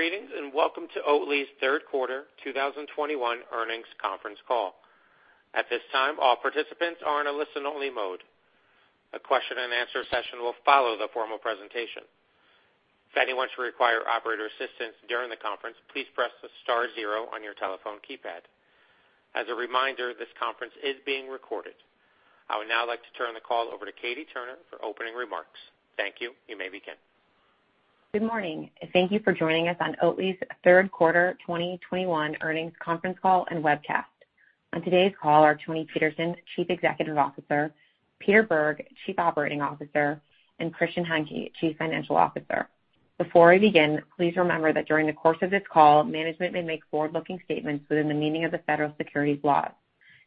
Greetings, and welcome to Oatly's third quarter 2021 earnings conference call. At this time, all participants are in a listen-only mode. A question-and-answer session will follow the formal presentation. If anyone should require operator assistance during the conference, please press the star zero on your telephone keypad. As a reminder, this conference is being recorded. I would now like to turn the call over to Katie Turner for opening remarks. Thank you. You may begin. Good morning, and thank you for joining us on Oatly's third quarter 2021 earnings conference call and webcast. On today's call are Toni Petersson, Chief Executive Officer, Peter Bergh, Chief Operating Officer, and Christian Hanke, Chief Financial Officer. Before we begin, please remember that during the course of this call, management may make forward-looking statements within the meaning of the federal securities laws.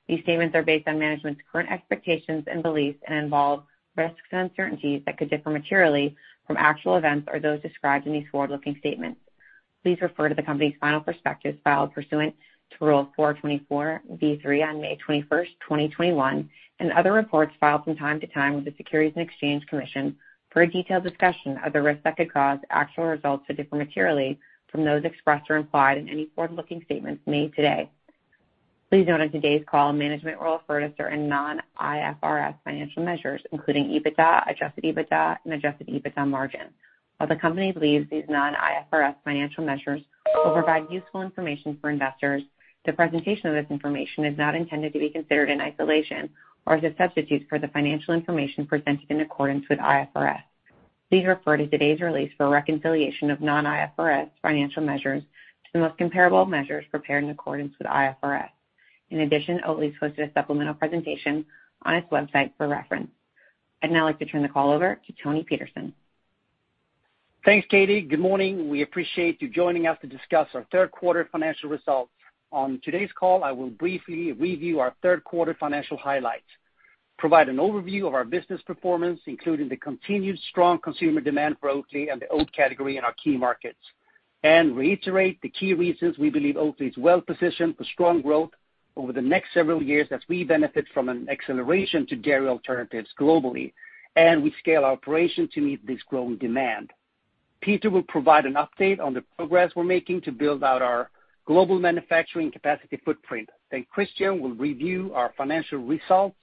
These statements are based on management's current expectations and beliefs and involve risks and uncertainties that could differ materially from actual events or those described in these forward-looking statements. Please refer to the company's final prospectus filed pursuant to Rule 424(b)(3) on May 21, 2021, and other reports filed from time to time with the Securities and Exchange Commission for a detailed discussion of the risks that could cause actual results to differ materially from those expressed or implied in any forward-looking statements made today. Please note on today's call, management will refer to certain non-IFRS financial measures, including EBITDA, Adjusted EBITDA, and Adjusted EBITDA margin. While the company believes these non-IFRS financial measures will provide useful information for investors, the presentation of this information is not intended to be considered in isolation or as a substitute for the financial information presented in accordance with IFRS. Please refer to today's release for a reconciliation of non-IFRS financial measures to the most comparable measures prepared in accordance with IFRS. In addition, Oatly's posted a supplemental presentation on its website for reference. I'd now like to turn the call over to Toni Petersson. Thanks, Katie. Good morning. We appreciate you joining us to discuss our third quarter financial results. On today's call, I will briefly review our third quarter financial highlights, provide an overview of our business performance, including the continued strong consumer demand for Oatly and the oat category in our key markets, and reiterate the key reasons we believe Oatly is well-positioned for strong growth over the next several years as we benefit from an acceleration to dairy alternatives globally and we scale our operations to meet this growing demand. Peter will provide an update on the progress we're making to build out our global manufacturing capacity footprint. Then Christian will review our financial results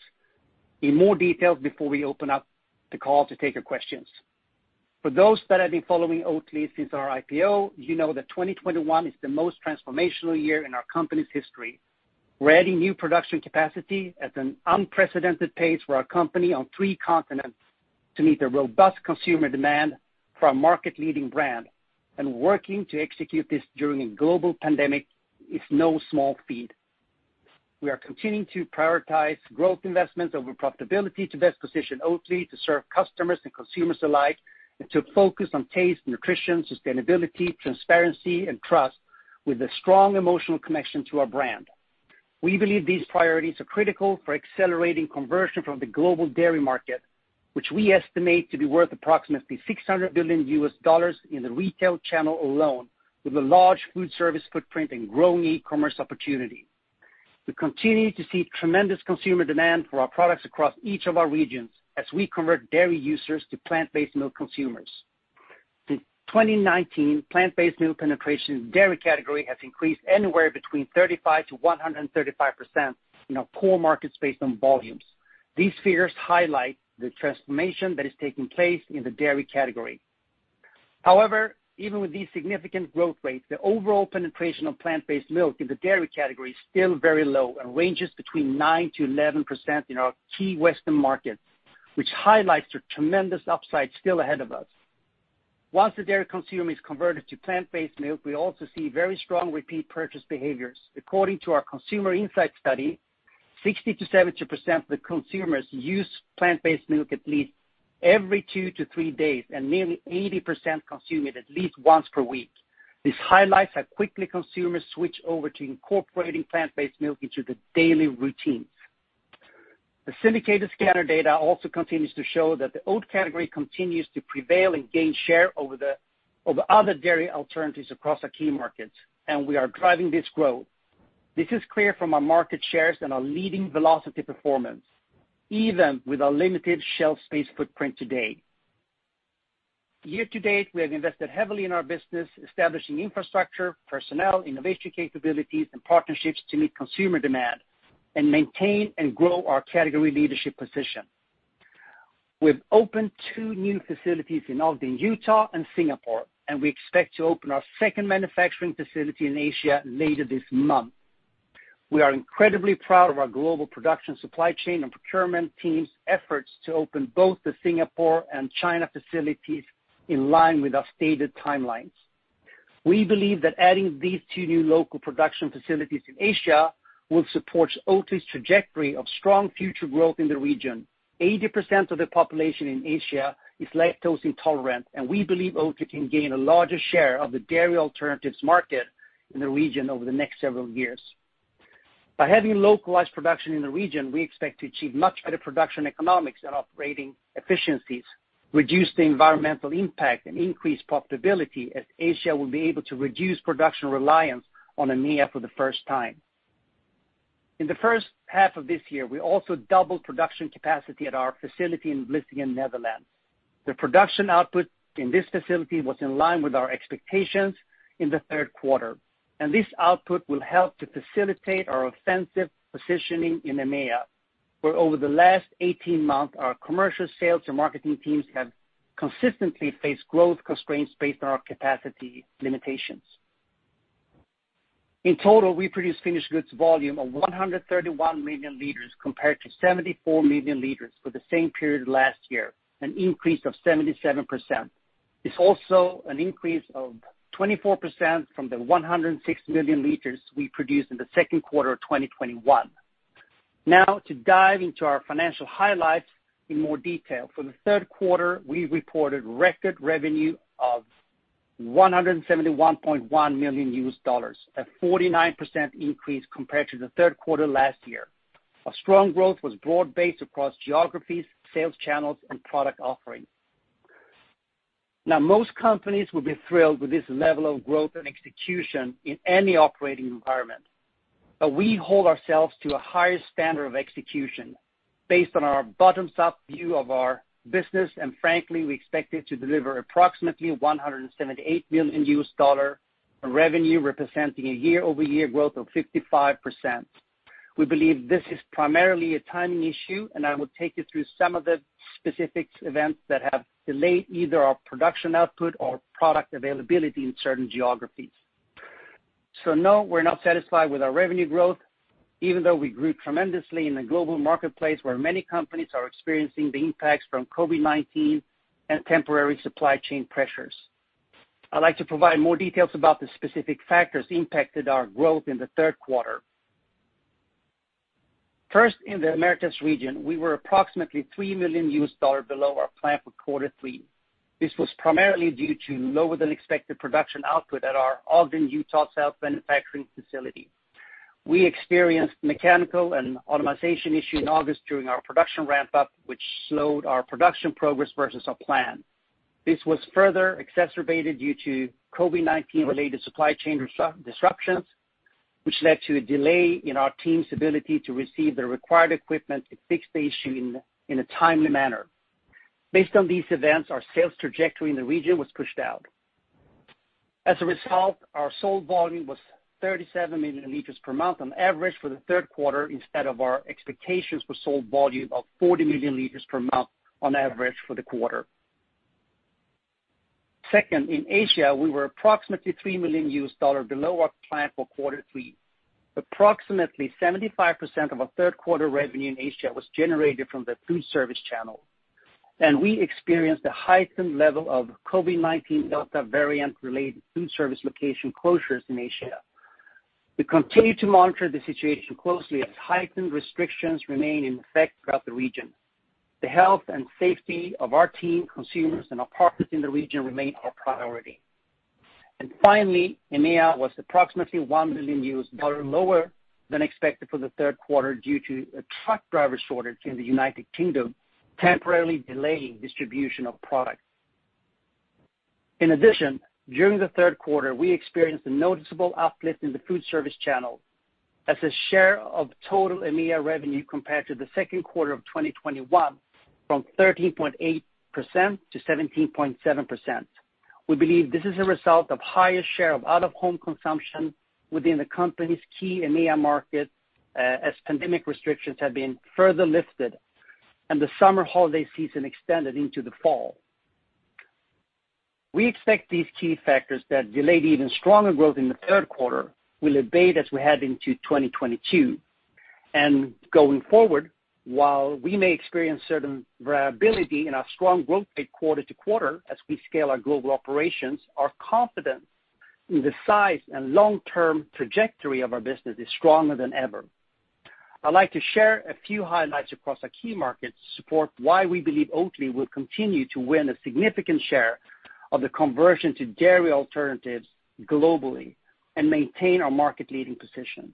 in more detail before we open up the call to take your questions. For those that have been following Oatly since our IPO, you know that 2021 is the most transformational year in our company's history. We're adding new production capacity at an unprecedented pace for our company on three continents to meet the robust consumer demand for our market-leading brand, and working to execute this during a global pandemic is no small feat. We are continuing to prioritize growth investments over profitability to best position Oatly to serve customers and consumers alike, and to focus on taste, nutrition, sustainability, transparency, and trust with a strong emotional connection to our brand. We believe these priorities are critical for accelerating conversion from the global dairy market, which we estimate to be worth approximately $600 billion in the Retail channel alone, with a large Foodservice footprint and growing e-commerce opportunity. We continue to see tremendous consumer demand for our products across each of our regions as we convert dairy users to plant-based milk consumers. Since 2019, plant-based milk penetration in the dairy category has increased anywhere between 35%-135% in our core markets based on volumes. These figures highlight the transformation that is taking place in the dairy category. However, even with these significant growth rates, the overall penetration of plant-based milk in the dairy category is still very low and ranges between 9%-11% in our key Western markets, which highlights the tremendous upside still ahead of us. Once the dairy consumer is converted to plant-based milk, we also see very strong repeat purchase behaviors. According to our consumer insight study, 60%-70% of the consumers use plant-based milk at least every two to three days, and nearly 80% consume it at least once per week. This highlights how quickly consumers switch over to incorporating plant-based milk into their daily routines. The syndicated scanner data also continues to show that the oat category continues to prevail and gain share over other dairy alternatives across our key markets, and we are driving this growth. This is clear from our market shares and our leading velocity performance, even with our limited shelf space footprint today. Year-to-date, we have invested heavily in our business, establishing infrastructure, personnel, innovation capabilities, and partnerships to meet consumer demand and maintain and grow our category leadership position. We've opened two new facilities in Ogden, Utah and Singapore, and we expect to open our second manufacturing facility in Asia later this month. We are incredibly proud of our global production supply chain and procurement team's efforts to open both the Singapore and China facilities in line with our stated timelines. We believe that adding these two new local production facilities in Asia will support Oatly's trajectory of strong future growth in the region. 80% of the population in Asia is lactose intolerant, and we believe Oatly can gain a larger share of the dairy alternatives market in the region over the next several years. By having localized production in the region, we expect to achieve much better production economics and operating efficiencies, reduce the environmental impact, and increase profitability as Asia will be able to reduce production reliance on EMEA for the first time. In the first half of this year, we also doubled production capacity at our facility in Vlissingen, Netherlands. The production output in this facility was in line with our expectations in the third quarter, and this output will help to facilitate our offensive positioning in EMEA, where over the last 18 months, our commercial sales and marketing teams have consistently faced growth constraints based on our capacity limitations. In total, we produced finished goods volume of 131 million L compared to 74 million L for the same period last year, an increase of 77%. It's also an increase of 24% from the 106 million L we produced in the second quarter of 2021. Now to dive into our financial highlights in more detail. For the third quarter, we reported record revenue of $171.1 million, a 49% increase compared to the third quarter last year. Our strong growth was broad-based across geographies, sales channels, and product offerings. Now, most companies will be thrilled with this level of growth and execution in any operating environment, but we hold ourselves to a higher standard of execution based on our bottom-up view of our business. Frankly, we expected to deliver approximately $178 million in revenue, representing a year-over-year growth of 55%. We believe this is primarily a timing issue, and I will take you through some of the specific events that have delayed either our production output or product availability in certain geographies. No, we're not satisfied with our revenue growth, even though we grew tremendously in the global marketplace where many companies are experiencing the impacts from COVID-19 and temporary supply chain pressures. I'd like to provide more details about the specific factors impacted our growth in the third quarter. First, in the Americas region, we were approximately $3 million below our plan for quarter three. This was primarily due to lower than expected production output at our Ogden, Utah, South manufacturing facility. We experienced mechanical and automation issue in August during our production ramp-up, which slowed our production progress versus our plan. This was further exacerbated due to COVID-19 related supply chain disruptions, which led to a delay in our team's ability to receive the required equipment to fix the issue in a timely manner. Based on these events, our sales trajectory in the region was pushed out. As a result, our sold volume was 37 million liters per month on average for the third quarter, instead of our expectations for sold volume of 40 million liters per month on average for the quarter. Second, in Asia, we were approximately $3 million below our plan for quarter three. Approximately 75% of our third quarter revenue in Asia was generated from the Foodservice channel, and we experienced a heightened level of COVID-19 Delta variant-related Foodservice location closures in Asia. We continue to monitor the situation closely as heightened restrictions remain in effect throughout the region. The health and safety of our team, consumers, and our partners in the region remain our priority. Finally, EMEA was approximately $1 million lower than expected for the third quarter due to a truck driver shortage in the United Kingdom, temporarily delaying distribution of products. In addition, during the third quarter, we experienced a noticeable uplift in the Foodservice channel as a share of total EMEA revenue compared to the second quarter of 2021 from 13.8%-17.7%. We believe this is a result of higher share of out-of-home consumption within the company's key EMEA market, as pandemic restrictions have been further lifted and the summer holiday season extended into the fall. We expect these key factors that delayed even stronger growth in the third quarter will abate as we head into 2022. Going forward, while we may experience certain variability in our strong growth rate quarter-to-quarter as we scale our global operations, our confidence in the size and long-term trajectory of our business is stronger than ever. I'd like to share a few highlights across our key markets to support why we believe Oatly will continue to win a significant share of the conversion to dairy alternatives globally and maintain our market-leading position.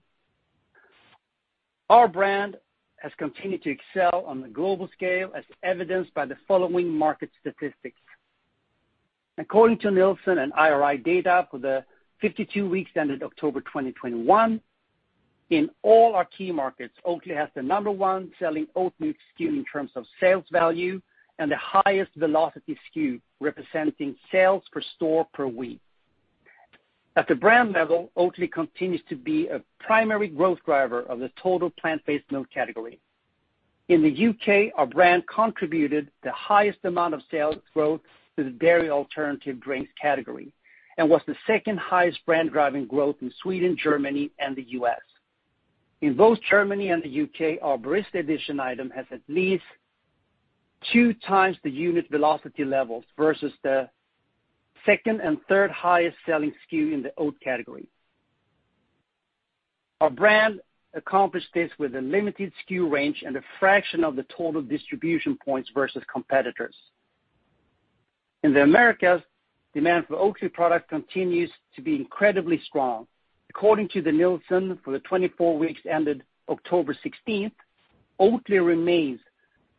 Our brand has continued to excel on the global scale, as evidenced by the following market statistics. According to Nielsen and IRI data for the 52 weeks ended October 2021, in all our key markets, Oatly has the number one selling Oatly SKU in terms of sales value and the highest velocity SKU representing sales per store per week. At the brand level, Oatly continues to be a primary growth driver of the total plant-based milk category. In the U.K., our brand contributed the highest amount of sales growth to the dairy alternative drinks category and was the second highest brand driving growth in Sweden, Germany, and the U.S. In both Germany and the U.K., our Barista Edition item has at least 2x the unit velocity levels versus the second and third highest selling SKU in the oat category. Our brand accomplished this with a limited SKU range and a fraction of the total distribution points versus competitors. In the Americas, demand for Oatly product continues to be incredibly strong. According to the Nielsen for the 24 weeks ended October 16, Oatly remains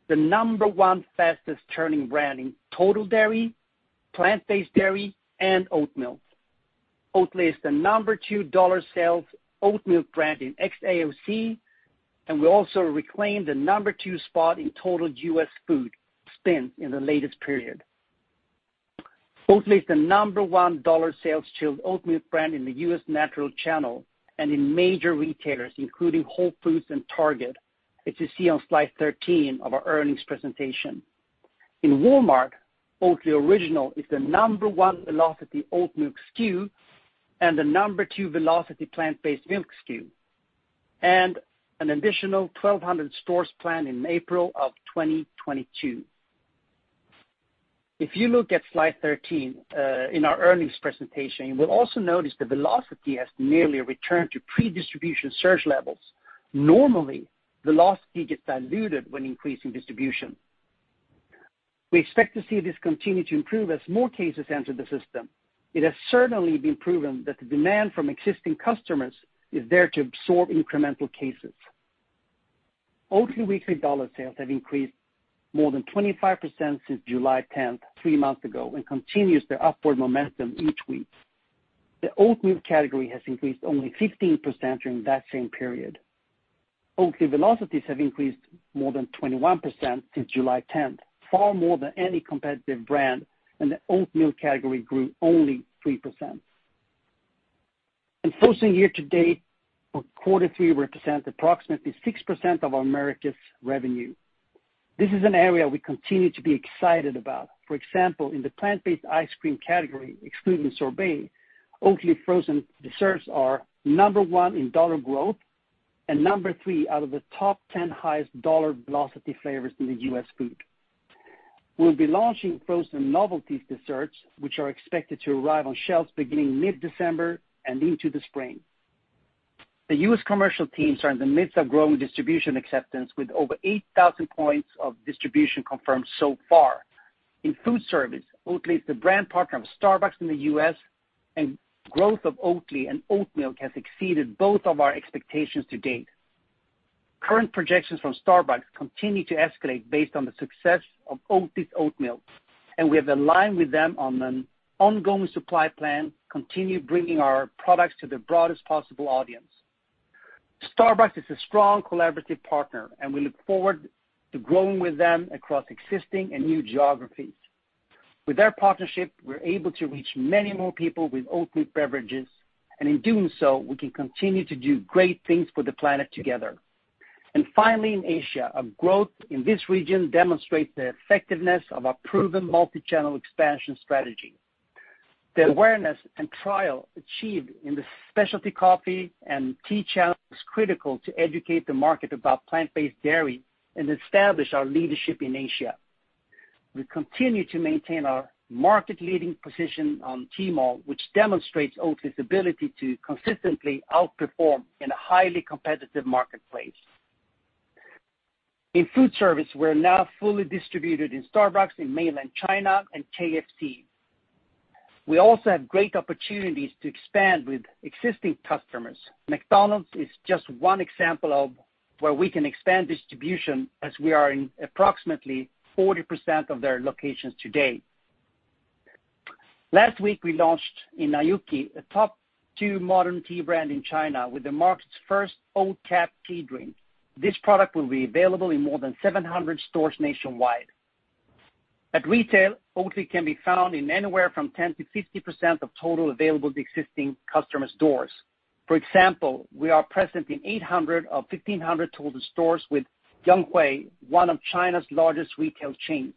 the number one fastest turning brand in total dairy, plant-based dairy, and Oatmilk. Oatly is the number $2 sales Oatmilk brand in XAOC, and we also reclaimed the number two spot in total U.S. food spend in the latest period. Oatly is the number one dollar sales chilled Oatmilk brand in the U.S. natural channel and in major retailers, including Whole Foods and Target, as you see on slide 13 of our earnings presentation. In Walmart, Oatly Original is the number one velocity Oatmilk SKU and the number two velocity plant-based milk SKU, and an additional 1,200 stores planned in April 2022. If you look at slide 13 in our earnings presentation, you will also notice the velocity has nearly returned to pre-distribution surge levels. Normally, velocity gets diluted when increasing distribution. We expect to see this continue to improve as more cases enter the system. It has certainly been proven that the demand from existing customers is there to absorb incremental cases. Oatly weekly dollar sales have increased more than 25% since July 10, 3 months ago, and continue their upward momentum each week. The Oatmilk category has increased only 15% during that same period. Oatly velocities have increased more than 21% since July 10, far more than any competitive brand, and the Oatmilk category grew only 3%. Frozen year to date for quarter three represents approximately 6% of America's revenue. This is an area we continue to be excited about. For example, in the plant-based ice cream category, excluding sorbet, Oatly Frozen Desserts are number one in dollar growth and number three out of the top 10 highest dollar velocity flavors in the US food. We'll be launching frozen novelty desserts, which are expected to arrive on shelves beginning mid-December and into the spring. The U.S. commercial teams are in the midst of growing distribution acceptance with over 8,000 points of distribution confirmed so far. In Foodservice, Oatly is the brand partner of Starbucks in the U.S., and growth of Oatly and Oatmilk has exceeded both of our expectations to date. Current projections from Starbucks continue to escalate based on the success of Oatly's Oatmilk, and we have aligned with them on an ongoing supply plan to continue bringing our products to the broadest possible audience. Starbucks is a strong collaborative partner, and we look forward to growing with them across existing and new geographies. With their partnership, we're able to reach many more people with Oatly beverages, and in doing so, we can continue to do great things for the planet together. Finally, in Asia, our growth in this region demonstrates the effectiveness of our proven multi-channel expansion strategy. The awareness and trial achieved in the specialty coffee and tea channel is critical to educate the market about plant-based dairy and establish our leadership in Asia. We continue to maintain our market-leading position on Tmall, which demonstrates Oatly's ability to consistently outperform in a highly competitive marketplace. In Foodservice, we're now fully distributed in Starbucks in mainland China and KFC. We also have great opportunities to expand with existing customers. McDonald's is just one example of where we can expand distribution as we are in approximately 40% of their locations to date. Last week, we launched in Nayuki, a top two modern tea brand in China, with the market's first oat cap tea drink. This product will be available in more than 700 stores nationwide. At Retail, Oatly can be found in anywhere from 10%-50% of total available existing customer stores. For example, we are present in 800 of 1,500 total stores with Yonghui, one of China's largest retail chains.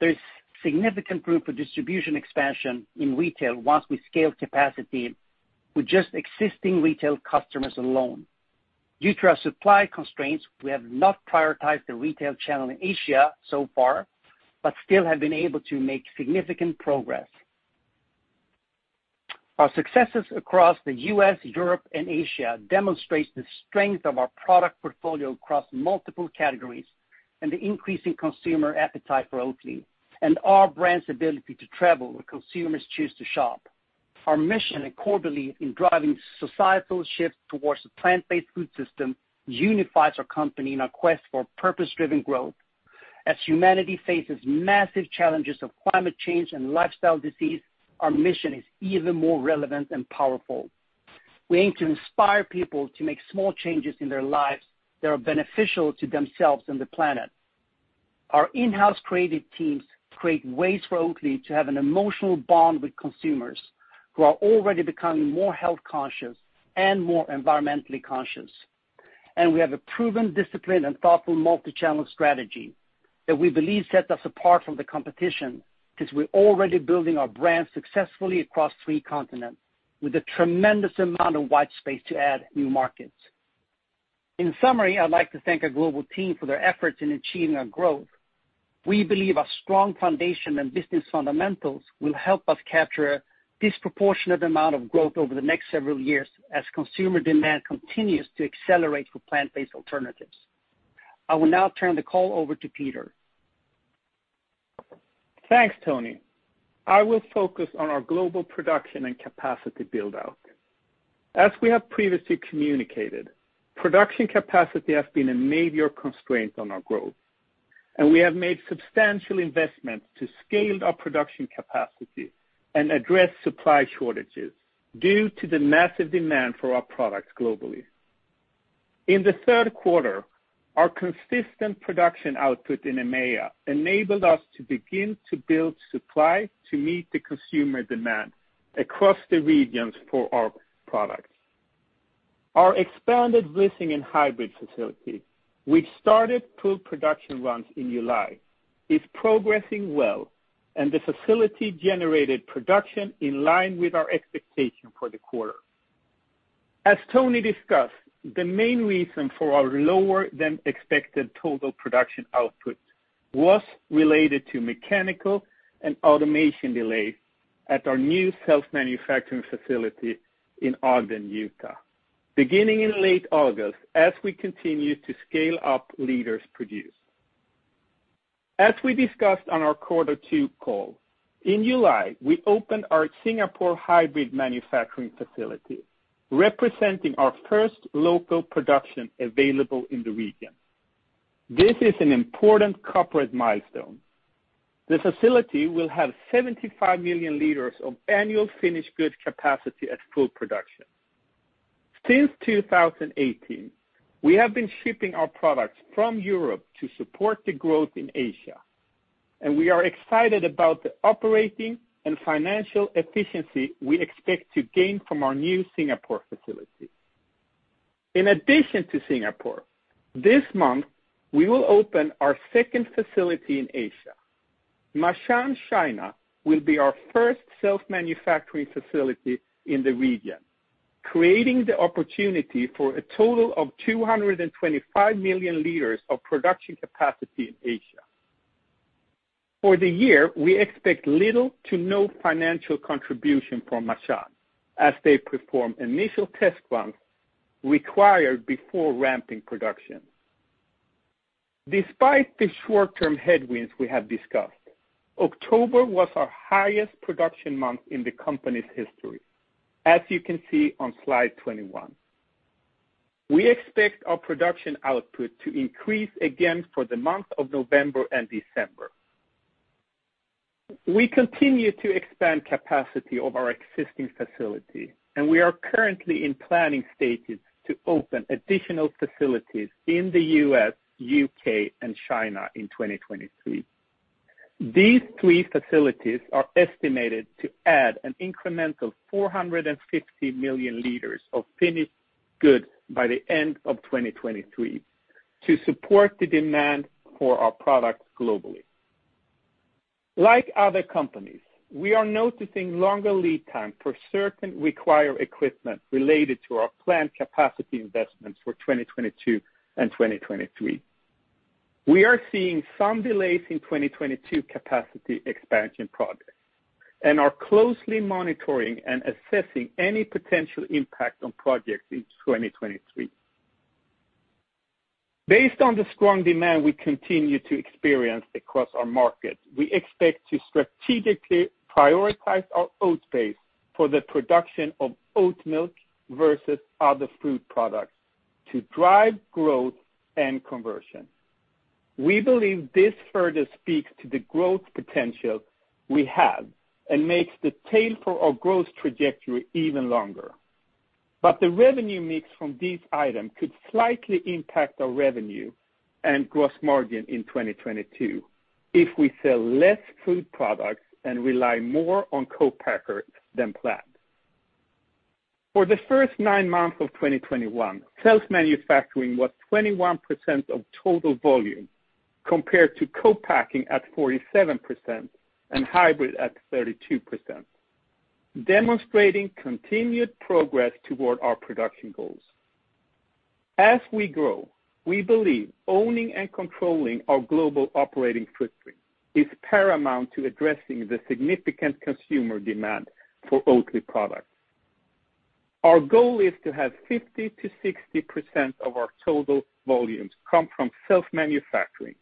There's significant room for distribution expansion in retail once we scale capacity with just existing retail customers alone. Due to our supply constraints, we have not prioritized the Retail channel in Asia so far, but still have been able to make significant progress. Our successes across the U.S., Europe, and Asia demonstrates the strength of our product portfolio across multiple categories and the increasing consumer appetite for Oatly and our brand's ability to travel where consumers choose to shop. Our mission and core belief in driving societal shift towards a plant-based food system unifies our company in our quest for purpose-driven growth. As humanity faces massive challenges of climate change and lifestyle disease, our mission is even more relevant and powerful. We aim to inspire people to make small changes in their lives that are beneficial to themselves and the planet. Our in-house creative teams create ways for Oatly to have an emotional bond with consumers who are already becoming more health-conscious and more environmentally conscious. We have a proven discipline and thoughtful multi-channel strategy that we believe sets us apart from the competition, since we're already building our brand successfully across three continents with a tremendous amount of white space to add new markets. In summary, I'd like to thank our global team for their efforts in achieving our growth. We believe our strong foundation and business fundamentals will help us capture a disproportionate amount of growth over the next several years as consumer demand continues to accelerate for plant-based alternatives. I will now turn the call over to Peter. Thanks, Toni. I will focus on our global production and capacity build-out. As we have previously communicated, production capacity has been a major constraint on our growth, and we have made substantial investments to scale our production capacity and address supply shortages due to the massive demand for our products globally. In the third quarter, our consistent production output in EMEA enabled us to begin to build supply to meet the consumer demand across the regions for our products. Our expanded leasing and hybrid facility, which started full production runs in July, is progressing well, and the facility generated production in line with our expectation for the quarter. As Toni discussed, the main reason for our lower than expected total production output was related to mechanical and automation delays at our new self-manufacturing facility in Ogden, Utah, beginning in late August as we continue to scale up production. As we discussed on our quarter two call, in July, we opened our Singapore hybrid manufacturing facility, representing our first local production available in the region. This is an important corporate milestone. The facility will have 75 million liters of annual finished goods capacity at full production. Since 2018, we have been shipping our products from Europe to support the growth in Asia, and we are excited about the operating and financial efficiency we expect to gain from our new Singapore facility. In addition to Singapore, this month, we will open our second facility in Asia. Ma'anshan, China will be our first self-manufacturing facility in the region, creating the opportunity for a total of 225 million liters of production capacity in Asia. For the year, we expect little to no financial contribution from Ma'anshan as they perform initial test runs required before ramping production. Despite the short-term headwinds we have discussed, October was our highest production month in the company's history, as you can see on slide 21. We expect our production output to increase again for the month of November and December. We continue to expand capacity of our existing facility, and we are currently in planning stages to open additional facilities in the U.S., U.K., and China in 2023. These three facilities are estimated to add an incremental 450 million liters of finished goods by the end of 2023 to support the demand for our products globally. Like other companies, we are noticing longer lead time for certain required equipment related to our planned capacity investments for 2022 and 2023. We are seeing some delays in 2022 capacity expansion projects and are closely monitoring and assessing any potential impact on projects in 2023. Based on the strong demand we continue to experience across our market, we expect to strategically prioritize our oat base for the production of Oatmilk versus other food products to drive growth and conversion. We believe this further speaks to the growth potential we have and makes the tail for our growth trajectory even longer. The revenue mix from these items could slightly impact our revenue and gross margin in 2022 if we sell less food products and rely more on co-packers than planned. For the first nine months of 2021, self-manufacturing was 21% of total volume, compared to co-packing at 47% and hybrid at 32%, demonstrating continued progress toward our production goals. As we grow, we believe owning and controlling our global operating footprint is paramount to addressing the significant consumer demand for Oatly products. Our goal is to have 50%-60% of our total volumes come from self-manufacturing,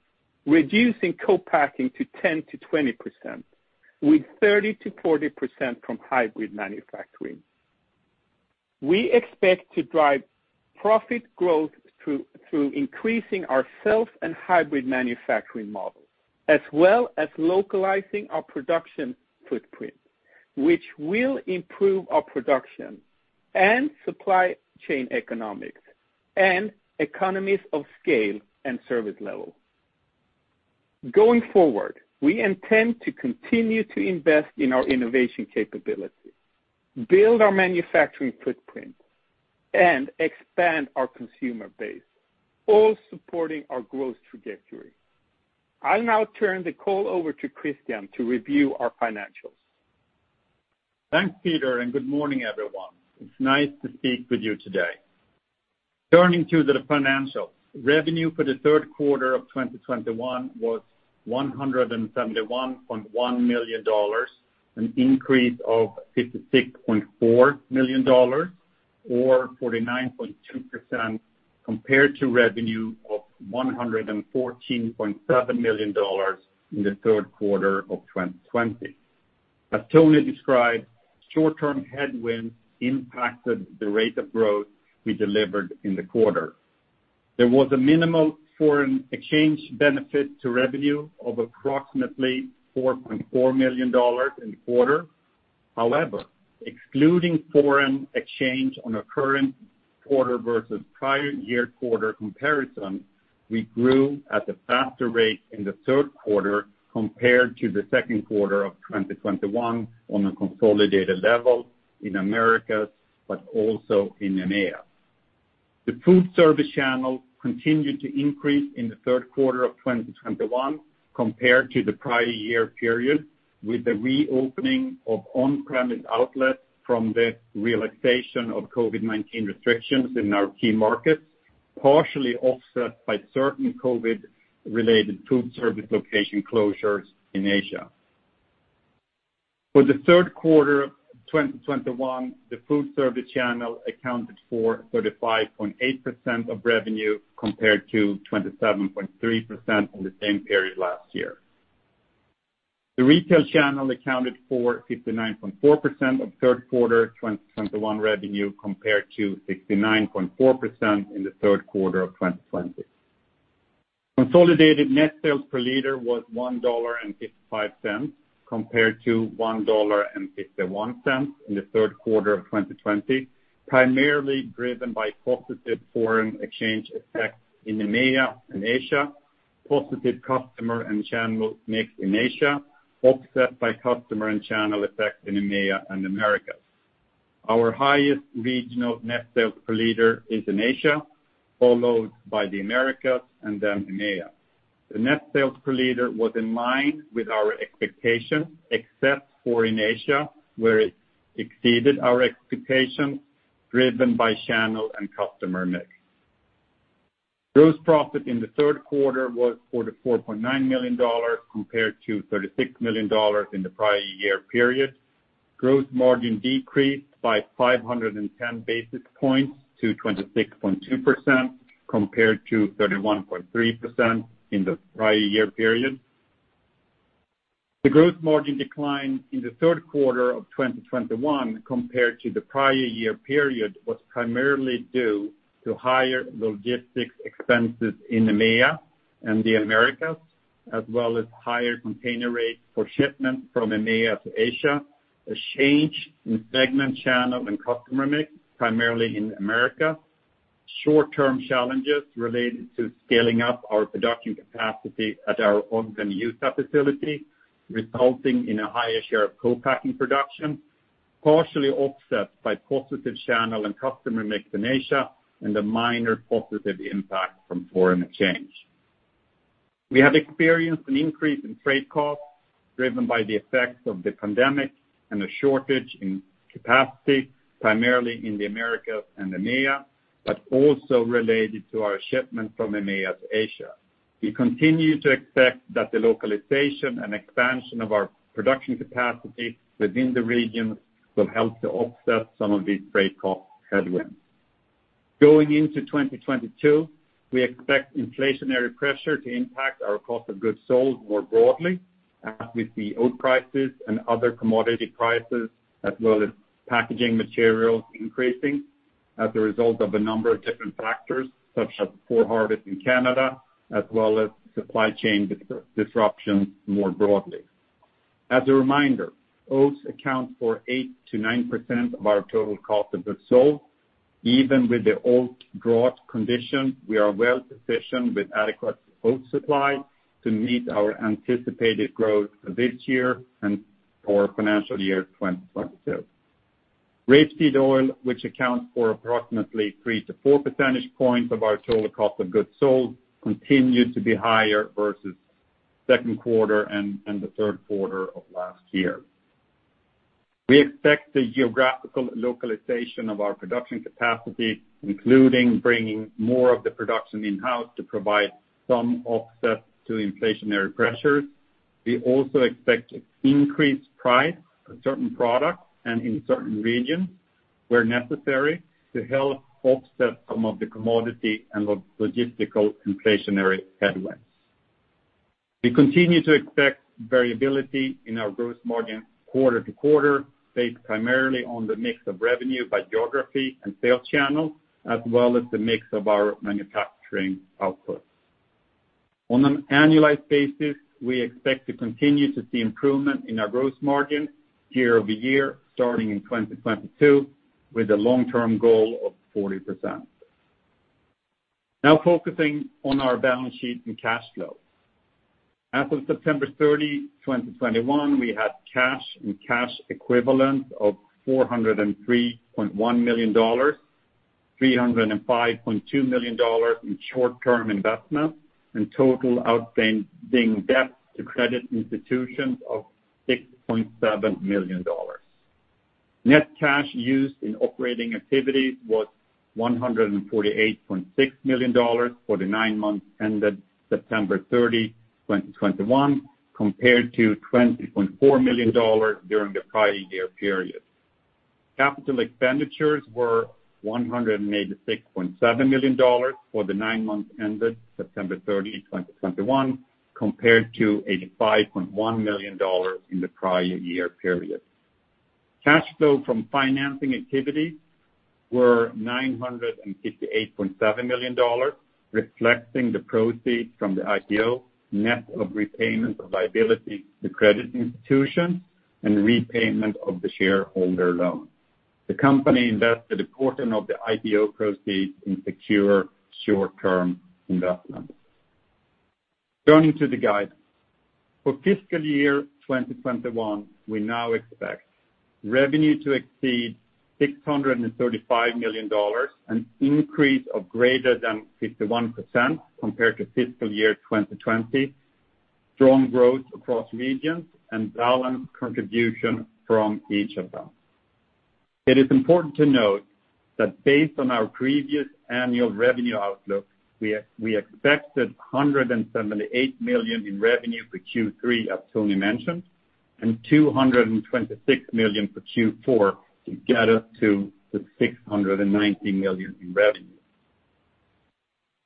reducing co-packing to 10%-20%, with 30%-40% from hybrid manufacturing. We expect to drive profit growth through increasing our self and hybrid manufacturing models, as well as localizing our production footprint, which will improve our production and supply chain economics and economies of scale and service level. Going forward, we intend to continue to invest in our innovation capability, build our manufacturing footprint, and expand our consumer base, all supporting our growth trajectory. I'll now turn the call over to Christian to review our financials. Thanks, Peter, and good morning, everyone. It's nice to speak with you today. Turning to the financials. Revenue for the third quarter of 2021 was $171.1 million, an increase of $56.4 million or 49.2% compared to revenue of $114.7 million in the third quarter of 2020. As Toni described, short-term headwinds impacted the rate of growth we delivered in the quarter. There was a minimal foreign exchange benefit to revenue of approximately $4.4 million in the quarter. However, excluding foreign exchange on a current quarter versus prior year quarter comparison, we grew at a faster rate in the third quarter compared to the second quarter of 2021 on a consolidated level in Americas, but also in EMEA. The Foodservice channel continued to increase in the third quarter of 2021 compared to the prior year period, with the reopening of on-premise outlets from the relaxation of COVID-19 restrictions in our key markets, partially offset by certain COVID-related Foodservice location closures in Asia. For the third quarter of 2021, the Foodservice channel accounted for 35.8% of revenue compared to 27.3% in the same period last year. The Retail channel accounted for 59.4% of third quarter 2021 revenue compared to 69.4% in the third quarter of 2020. Consolidated net sales per liter was $1.55 compared to $1.51 in the third quarter of 2020, primarily driven by positive foreign exchange effects in EMEA and Asia, positive customer and channel mix in Asia, offset by customer and channel effects in EMEA and Americas. Our highest regional net sales per liter is in Asia, followed by the Americas and then EMEA. The net sales per liter was in line with our expectations, except for in Asia, where it exceeded our expectations, driven by channel and customer mix. Gross profit in the third quarter was $44.9 million compared to $36 million in the prior year period. Gross margin decreased by 510 basis points to 26.2% compared to 31.3% in the prior year period. The gross margin decline in the third quarter of 2021 compared to the prior year period was primarily due to higher logistics expenses in EMEA and the Americas, as well as higher container rates for shipments from EMEA to Asia, a change in segment channel and customer mix, primarily in the Americas. Short-term challenges related to scaling up our production capacity at our Ogden, Utah facility, resulting in a higher share of co-packing production, partially offset by positive channel and customer mix in Asia and a minor positive impact from foreign exchange. We have experienced an increase in freight costs driven by the effects of the pandemic and a shortage in capacity, primarily in the Americas and EMEA, but also related to our shipments from EMEA to Asia. We continue to expect that the localization and expansion of our production capacity within the regions will help to offset some of these freight cost headwinds. Going into 2022, we expect inflationary pressure to impact our cost of goods sold more broadly, as with the oat prices and other commodity prices, as well as packaging materials increasing as a result of a number of different factors, such as poor harvest in Canada, as well as supply chain disruption more broadly. As a reminder, oats account for 8%-9% of our total cost of goods sold. Even with the oat drought condition, we are well positioned with adequate oat supply to meet our anticipated growth this year and for financial year 2022. Rapeseed oil, which accounts for approximately 3-4 percentage points of our total cost of goods sold, continued to be higher versus second quarter and the third quarter of last year. We expect the geographical localization of our production capacity, including bringing more of the production in-house to provide some offset to inflationary pressures. We also expect increased price of certain products and in certain regions where necessary to help offset some of the commodity and logistical inflationary headwinds. We continue to expect variability in our gross margin quarter-to-quarter, based primarily on the mix of revenue by geography and sales channel, as well as the mix of our manufacturing output. On an annualized basis, we expect to continue to see improvement in our gross margin year-over-year starting in 2022, with a long-term goal of 40%. Now focusing on our balance sheet and cash flow. As of September 30, 2021, we had cash and cash equivalents of $403.1 million, $305.2 million in short-term investments, and total outstanding debt to credit institutions of $6.7 million. Net cash used in operating activities was $148.6 million for the nine months ended September 30, 2021, compared to $20.4 million during the prior year period. Capital expenditures were $186.7 million for the nine months ended September 30, 2021, compared to $85.1 million in the prior year period. Cash flow from financing activities were $958.7 million, reflecting the proceeds from the IPO, net of repayment of liability to credit institutions and repayment of the shareholder loan. The company invested a portion of the IPO proceeds in secure short-term investments. Turning to the guidance. For fiscal year 2021, we now expect revenue to exceed $635 million, an increase of greater than 51% compared to fiscal year 2020, strong growth across regions, and balanced contribution from each of them. It is important to note that based on our previous annual revenue outlook, we expected $178 million in revenue for Q3, as Toni mentioned, and $226 million for Q4 to get us to the $690 million in revenue.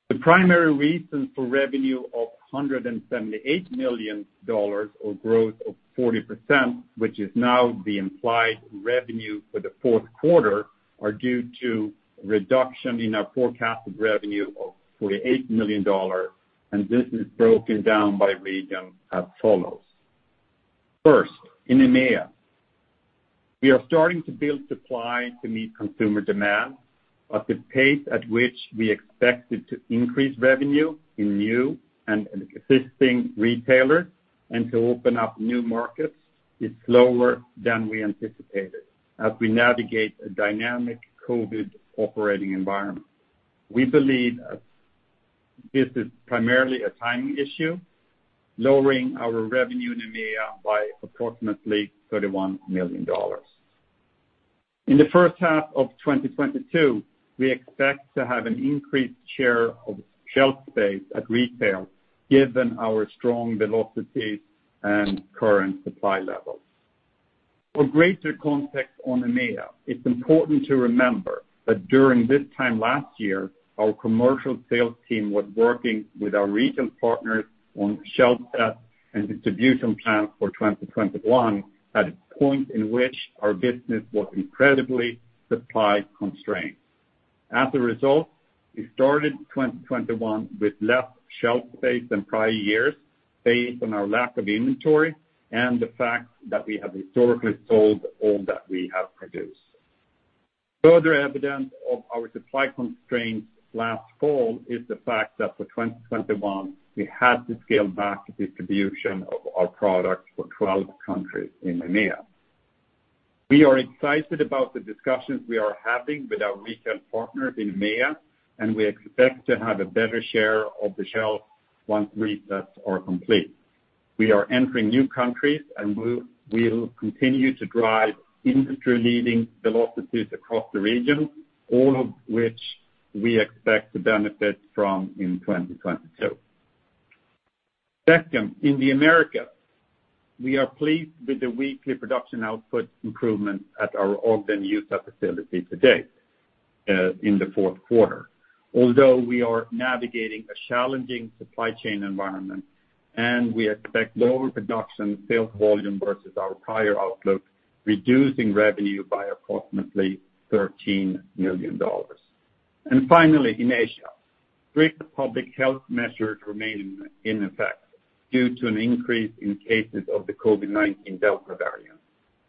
The primary reason for revenue of $178 million or growth of 40%, which is now the implied revenue for the fourth quarter, are due to reduction in our forecasted revenue of $48 million, and this is broken down by region as follows. First, in EMEA, we are starting to build supply to meet consumer demand, but the pace at which we expected to increase revenue in new and existing retailers and to open up new markets is slower than we anticipated as we navigate a dynamic COVID operating environment. We believe this is primarily a timing issue, lowering our revenue in EMEA by approximately $31 million. In the first half of 2022, we expect to have an increased share of shelf space at retail given our strong velocities and current supply levels. For greater context on EMEA, it's important to remember that during this time last year, our commercial sales team was working with our retail partners on shelf set and distribution plans for 2021 at a point in which our business was incredibly supply constrained. As a result, we started 2021 with less shelf space than prior years based on our lack of inventory and the fact that we have historically sold all that we have produced. Further evidence of our supply constraints last fall is the fact that for 2021, we had to scale back distribution of our products for 12 countries in EMEA. We are excited about the discussions we are having with our retail partners in EMEA, and we expect to have a better share of the shelf once resets are complete. We are entering new countries, and we'll continue to drive industry-leading velocities across the region, all of which we expect to benefit from in 2022. Second, in the Americas, we are pleased with the weekly production output improvement at our Ogden, Utah facility to date, in the fourth quarter. Although we are navigating a challenging supply chain environment, and we expect lower production sales volume versus our prior outlook, reducing revenue by approximately $13 million. Finally, in Asia, strict public health measures remain in effect due to an increase in cases of the COVID-19 Delta variant.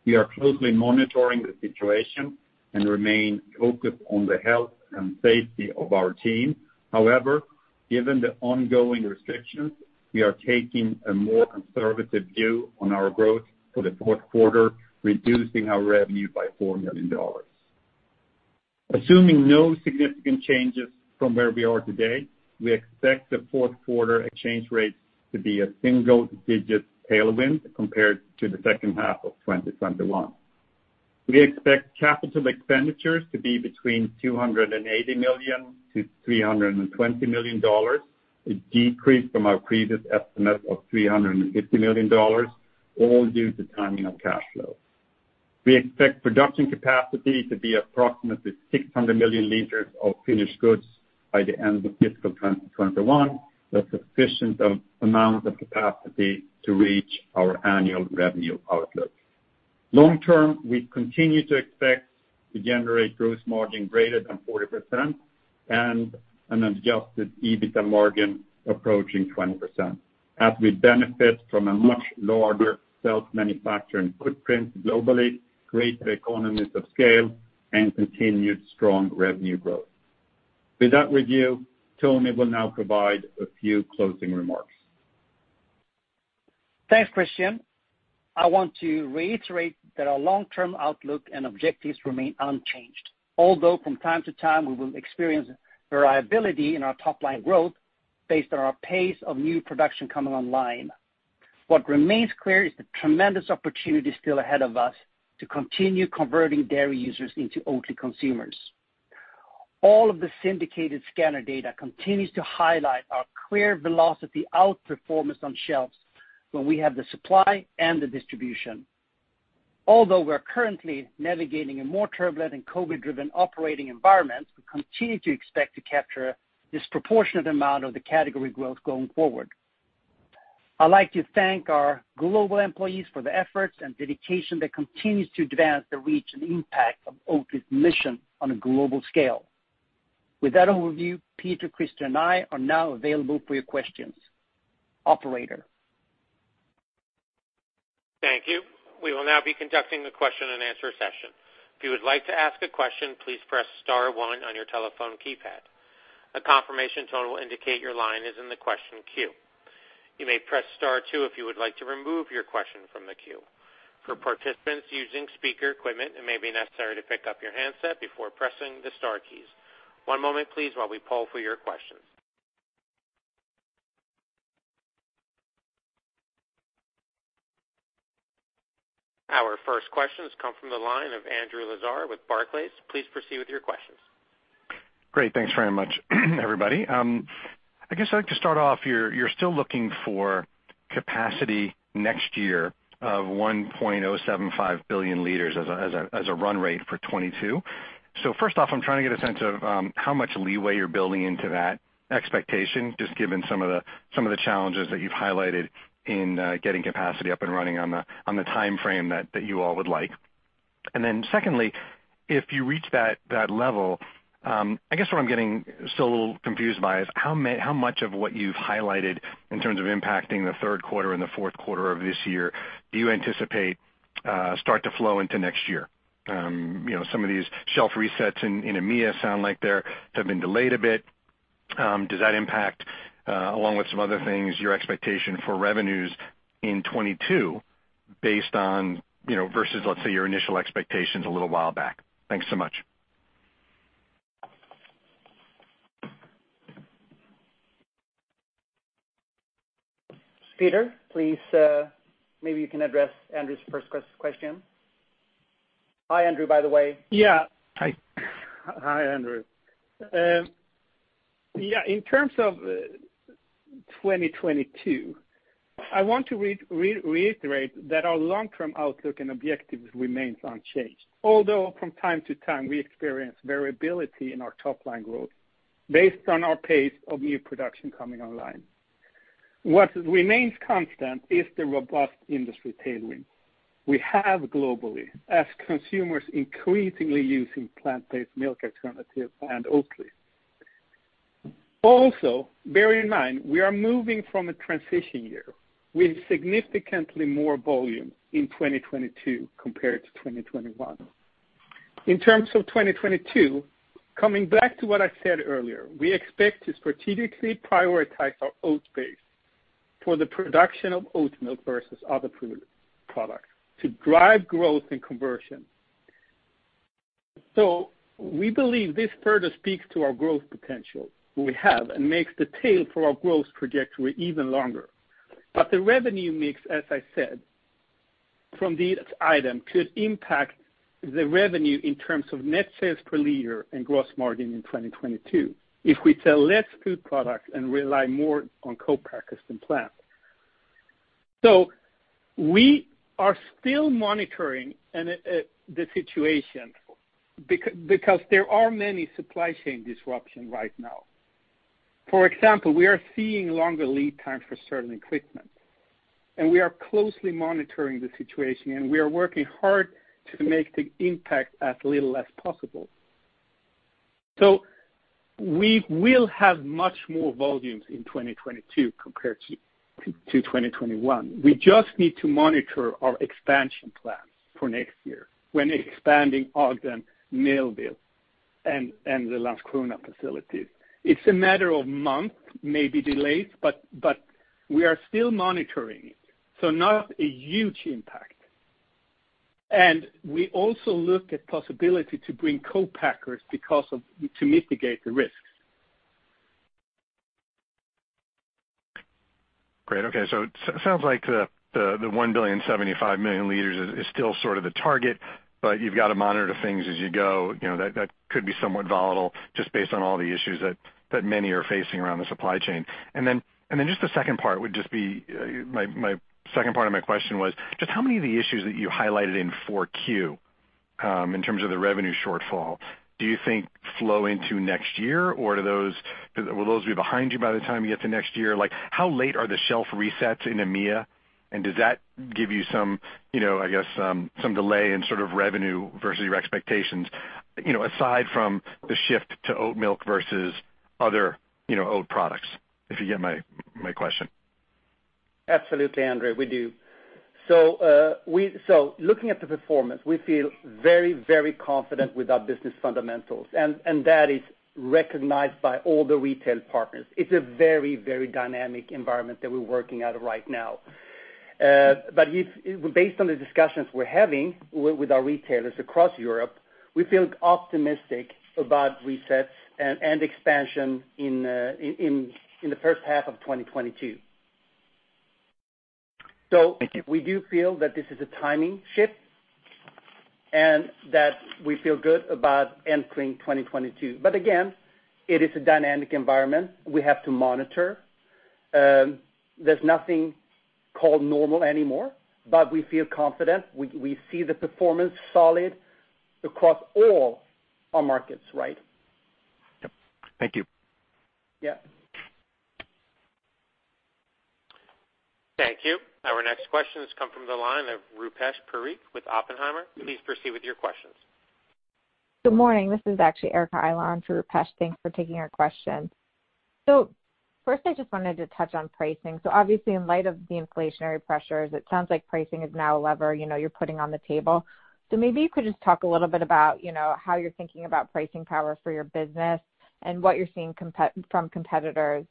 We are closely monitoring the situation and remain focused on the health and safety of our team. However, given the ongoing restrictions, we are taking a more conservative view on our growth for the fourth quarter, reducing our revenue by $4 million. Assuming no significant changes from where we are today, we expect the fourth quarter exchange rate to be a single-digit tailwind compared to the second half of 2021. We expect capital expenditures to be between $280 million and $320 million, a decrease from our previous estimate of $350 million, all due to timing of cash flow. We expect production capacity to be approximately 600 million liters of finished goods by the end of fiscal 2021, a sufficient amount of capacity to reach our annual revenue outlook. Long term, we continue to expect to generate gross margin greater than 40% and an Adjusted EBITDA margin approaching 20% as we benefit from a much larger self-manufacturing footprint globally, greater economies of scale, and continued strong revenue growth. With that review, Toni will now provide a few closing remarks. Thanks, Christian. I want to reiterate that our long-term outlook and objectives remain unchanged, although from time to time, we will experience variability in our top-line growth based on our pace of new production coming online. What remains clear is the tremendous opportunity still ahead of us to continue converting dairy users into Oatly consumers. All of the syndicated scanner data continues to highlight our clear velocity outperformance on shelves when we have the supply and the distribution. Although we're currently navigating a more turbulent and COVID-driven operating environment, we continue to expect to capture disproportionate amount of the category growth going forward. I'd like to thank our global employees for the efforts and dedication that continues to advance the reach and impact of Oatly's mission on a global scale. With that overview, Peter, Christian, and I are now available for your questions. Operator? Thank you. We will now be conducting the question-and-answer session. If you would like to ask a question, please press star one on your telephone keypad. A confirmation tone will indicate your line is in the question queue. You may press star two if you would like to remove your question from the queue. For participants using speaker equipment, it may be necessary to pick up your handset before pressing the star keys. One moment please while we poll for your questions. Our first question has come from the line of Andrew Lazar with Barclays. Please proceed with your questions. Great. Thanks very much everybody. I guess I'd like to start off, you're still looking for capacity next year of 1.075 billion liters as a run rate for 2022. First off, I'm trying to get a sense of how much leeway you're building into that expectation, just given some of the challenges that you've highlighted in getting capacity up and running on the timeframe that you all would like. Secondly, if you reach that level, I guess what I'm getting still a little confused by is how much of what you've highlighted in terms of impacting the third quarter and the fourth quarter of this year do you anticipate start to flow into next year? You know, some of these shelf resets in EMEA sound like they have been delayed a bit. Does that impact, along with some other things, your expectation for revenues in 2022 based on, you know, versus, let's say, your initial expectations a little while back? Thanks so much. Peter, please, maybe you can address Andrew's first question. Hi, Andrew, by the way. Hi, Andrew. Yeah, in terms of 2022, I want to reiterate that our long-term outlook and objectives remains unchanged. Although from time to time, we experience variability in our top line growth based on our pace of new production coming online. What remains constant is the robust industry tailwind we have globally as consumers increasingly using plant-based milk alternatives and Oatly. Also, bear in mind, we are moving from a transition year with significantly more volume in 2022 compared to 2021. In terms of 2022, coming back to what I said earlier, we expect to strategically prioritize our oat base for the production of Oatmilk versus other products to drive growth and conversion. We believe this further speaks to our growth potential we have and makes the tailwind for our growth trajectory even longer. The revenue mix, as I said, from these items could impact the revenue in terms of net sales per liter and gross margin in 2022 if we sell less food products and rely more on co-packers than planned. We are still monitoring and the situation because there are many supply chain disruptions right now. For example, we are seeing longer lead times for certain equipment, and we are closely monitoring the situation, and we are working hard to make the impact as little as possible. We will have much more volumes in 2022 compared to 2021. We just need to monitor our expansion plans for next year when expanding Ogden, Vlissingen, and the Landskrona facilities. It's a matter of months, maybe delays, but we are still monitoring it, so not a huge impact. We also look at possibility to bring co-packers to mitigate the risks. Great. Okay. Sounds like the 1.075 billion liters is still sort of the target, but you've got to monitor things as you go. You know, that could be somewhat volatile just based on all the issues that many are facing around the supply chain. Just the second part would just be my second part of my question was just how many of the issues that you highlighted in 4Q in terms of the revenue shortfall do you think flow into next year, or will those be behind you by the time you get to next year? Like, how late are the shelf resets in EMEA, and does that give you some, you know, I guess, some delay in sort of revenue versus your expectations, you know, aside from the shift to Oatmilk versus other, you know, oat products? If you get my question. Absolutely, Andrew. We do. Looking at the performance, we feel very confident with our business fundamentals, and that is recognized by all the retail partners. It's a very dynamic environment that we're working out of right now. Based on the discussions we're having with our retailers across Europe, we feel optimistic about resets and expansion in the first half of 2022. We do feel that this is a timing shift and that we feel good about entering 2022. Again, it is a dynamic environment we have to monitor. There's nothing called normal anymore, but we feel confident. We see the performance solid across all our markets, right? Yep. Thank you. Yeah. Thank you. Our next question has come from the line of Rupesh Parikh with Oppenheimer. Please proceed with your questions. Good morning. This is actually Erica Eiler for Rupesh. Thanks for taking our question. First, I just wanted to touch on pricing. Obviously, in light of the inflationary pressures, it sounds like pricing is now a lever, you know, you're putting on the table. Maybe you could just talk a little bit about, you know, how you're thinking about pricing power for your business and what you're seeing from competitors,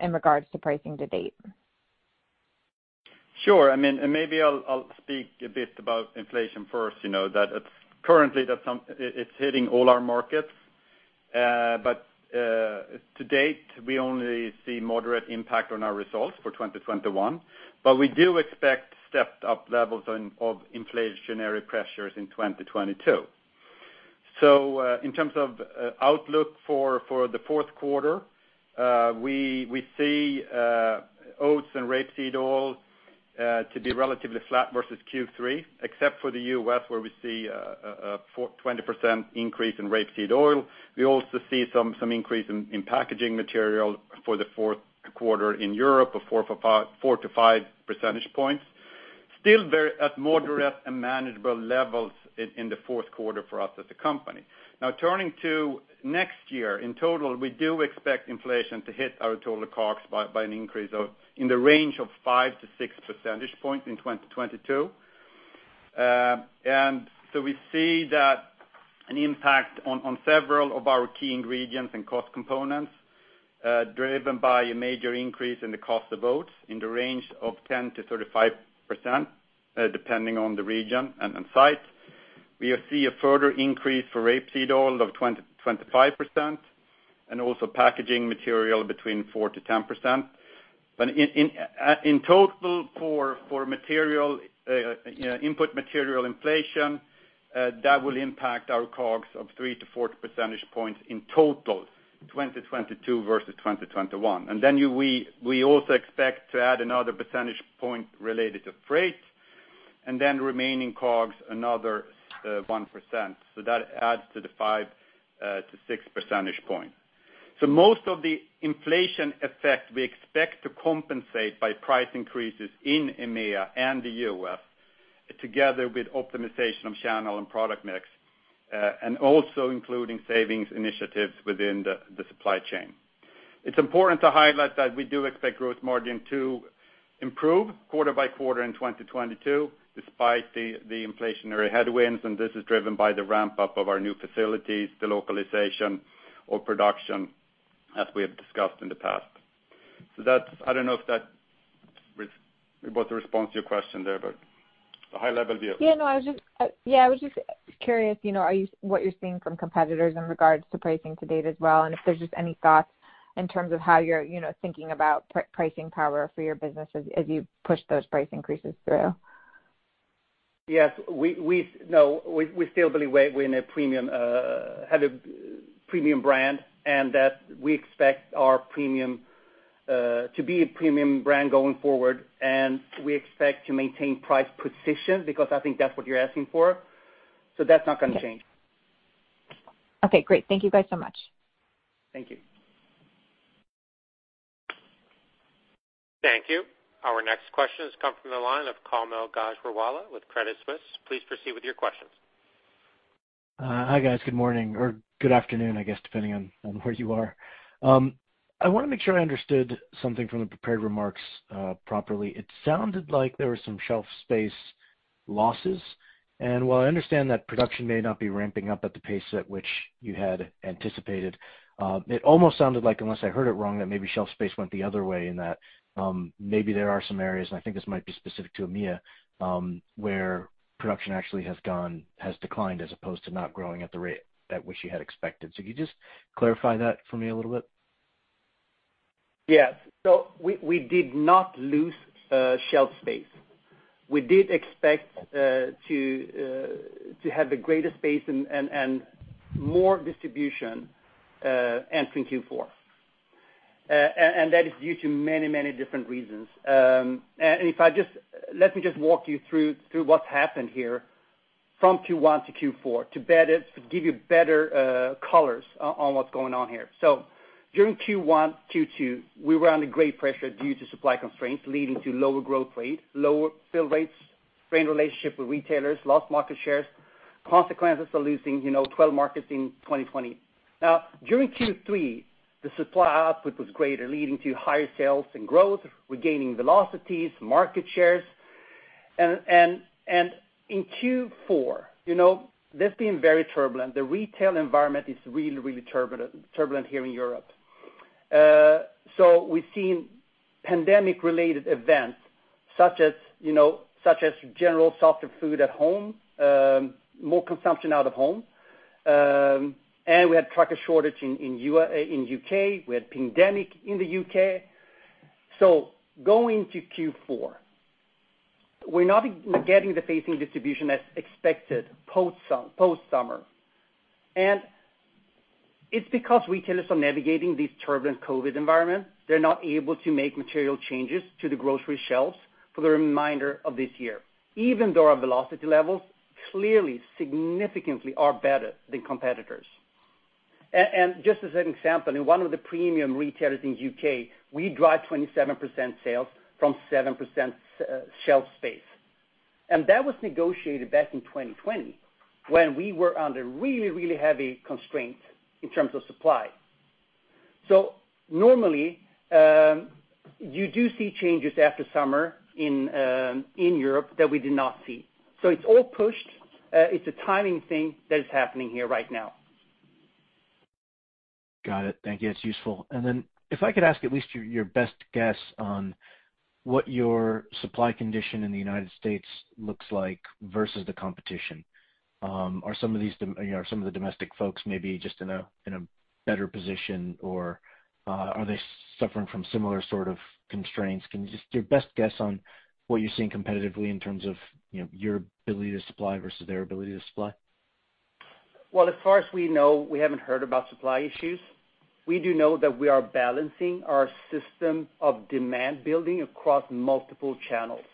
in regards to pricing to date. Sure. I mean, maybe I'll speak a bit about inflation first, you know, that it's currently hitting all our markets. To date, we only see moderate impact on our results for 2021, but we do expect stepped up levels of inflationary pressures in 2022. In terms of outlook for the fourth quarter, we see oats and rapeseed oil to be relatively flat versus Q3, except for the U.S. where we see a 20% increase in rapeseed oil. We also see some increase in packaging material for the fourth quarter in Europe of 4-5 percentage points. Still at moderate and manageable levels in the fourth quarter for us as a company. Now turning to next year, in total, we do expect inflation to hit our total COGS by an increase of in the range of 5-6 percentage points in 2022. We see that an impact on several of our key ingredients and cost components, driven by a major increase in the cost of oats in the range of 10%-35%, depending on the region and site. We see a further increase for rapeseed oil of 20%-25% and also packaging material between 4%-10%. In total for material, you know, input material inflation, that will impact our COGS of 3-4 percentage points in total, 2022 versus 2021. We also expect to add another percentage point related to freight, and then remaining COGS another 1%. That adds to the 5-6 percentage point. Most of the inflation effect we expect to compensate by price increases in EMEA and the U.S., together with optimization of channel and product mix, and also including savings initiatives within the supply chain. It's important to highlight that we do expect gross margin to improve quarter by quarter in 2022 despite the inflationary headwinds, and this is driven by the ramp-up of our new facilities, the localization of production as we have discussed in the past. That's—I don't know if that responds to your question there, but a high level view. Yeah, no, I was just curious, you know, what you're seeing from competitors in regards to pricing to date as well, and if there's just any thoughts in terms of how you're, you know, thinking about pricing power for your business as you push those price increases through? Yes. No. We still believe we have a premium brand, and that we expect our premium to be a premium brand going forward. We expect to maintain price position because I think that's what you're asking for. That's not gonna change. Okay, great. Thank you guys so much. Thank you. Thank you. Our next question has come from the line of Kaumil Gajrawala with Credit Suisse. Please proceed with your questions. Hi, guys. Good morning or good afternoon, I guess, depending on where you are. I want to make sure I understood something from the prepared remarks properly. It sounded like there were some shelf space losses. While I understand that production may not be ramping up at the pace at which you had anticipated, it almost sounded like, unless I heard it wrong, that maybe shelf space went the other way and that maybe there are some areas, I think this might be specific to EMEA, where production actually has declined as opposed to not growing at the rate at which you had expected. Could you just clarify that for me a little bit? Yes. We did not lose shelf space. We did expect to have a greater space and more distribution entering Q4. That is due to many different reasons. Let me just walk you through what's happened here from Q1 to Q4 to give you better colors on what's going on here. During Q1, Q2, we were under great pressure due to supply constraints leading to lower growth rate, lower fill rates, strained relationship with retailers, lost market shares, consequences of losing, you know, 12 markets in 2020. Now, during Q3, the supply output was greater, leading to higher sales and growth, regaining velocities, market shares. In Q4, you know, that's been very turbulent. The retail environment is really turbulent here in Europe. We've seen pandemic-related events such as, you know, general softer food at home, more consumption out of home. We had trucker shortage in U.K. We had pingdemic in the U.K. Going to Q4, we're not getting the facing distribution as expected post-summer. It's because retailers are navigating these turbulent COVID environment. They're not able to make material changes to the grocery shelves for the remainder of this year, even though our velocity levels clearly significantly are better than competitors. Just as an example, in one of the premium retailers in U.K., we drive 27% sales from 7% shelf space. That was negotiated back in 2020 when we were under really heavy constraint in terms of supply. Normally, you do see changes after summer in Europe that we did not see. It's all pushed. It's a timing thing that is happening here right now. Got it. Thank you. That's useful. If I could ask at least your best guess on what your supply condition in the United States looks like versus the competition. Are some of these you know, are some of the domestic folks maybe just in a better position or, are they suffering from similar sort of constraints? Can you just give your best guess on what you're seeing competitively in terms of, you know, your ability to supply versus their ability to supply? Well, as far as we know, we haven't heard about supply issues. We do know that we are balancing our system of demand building across multiple channels.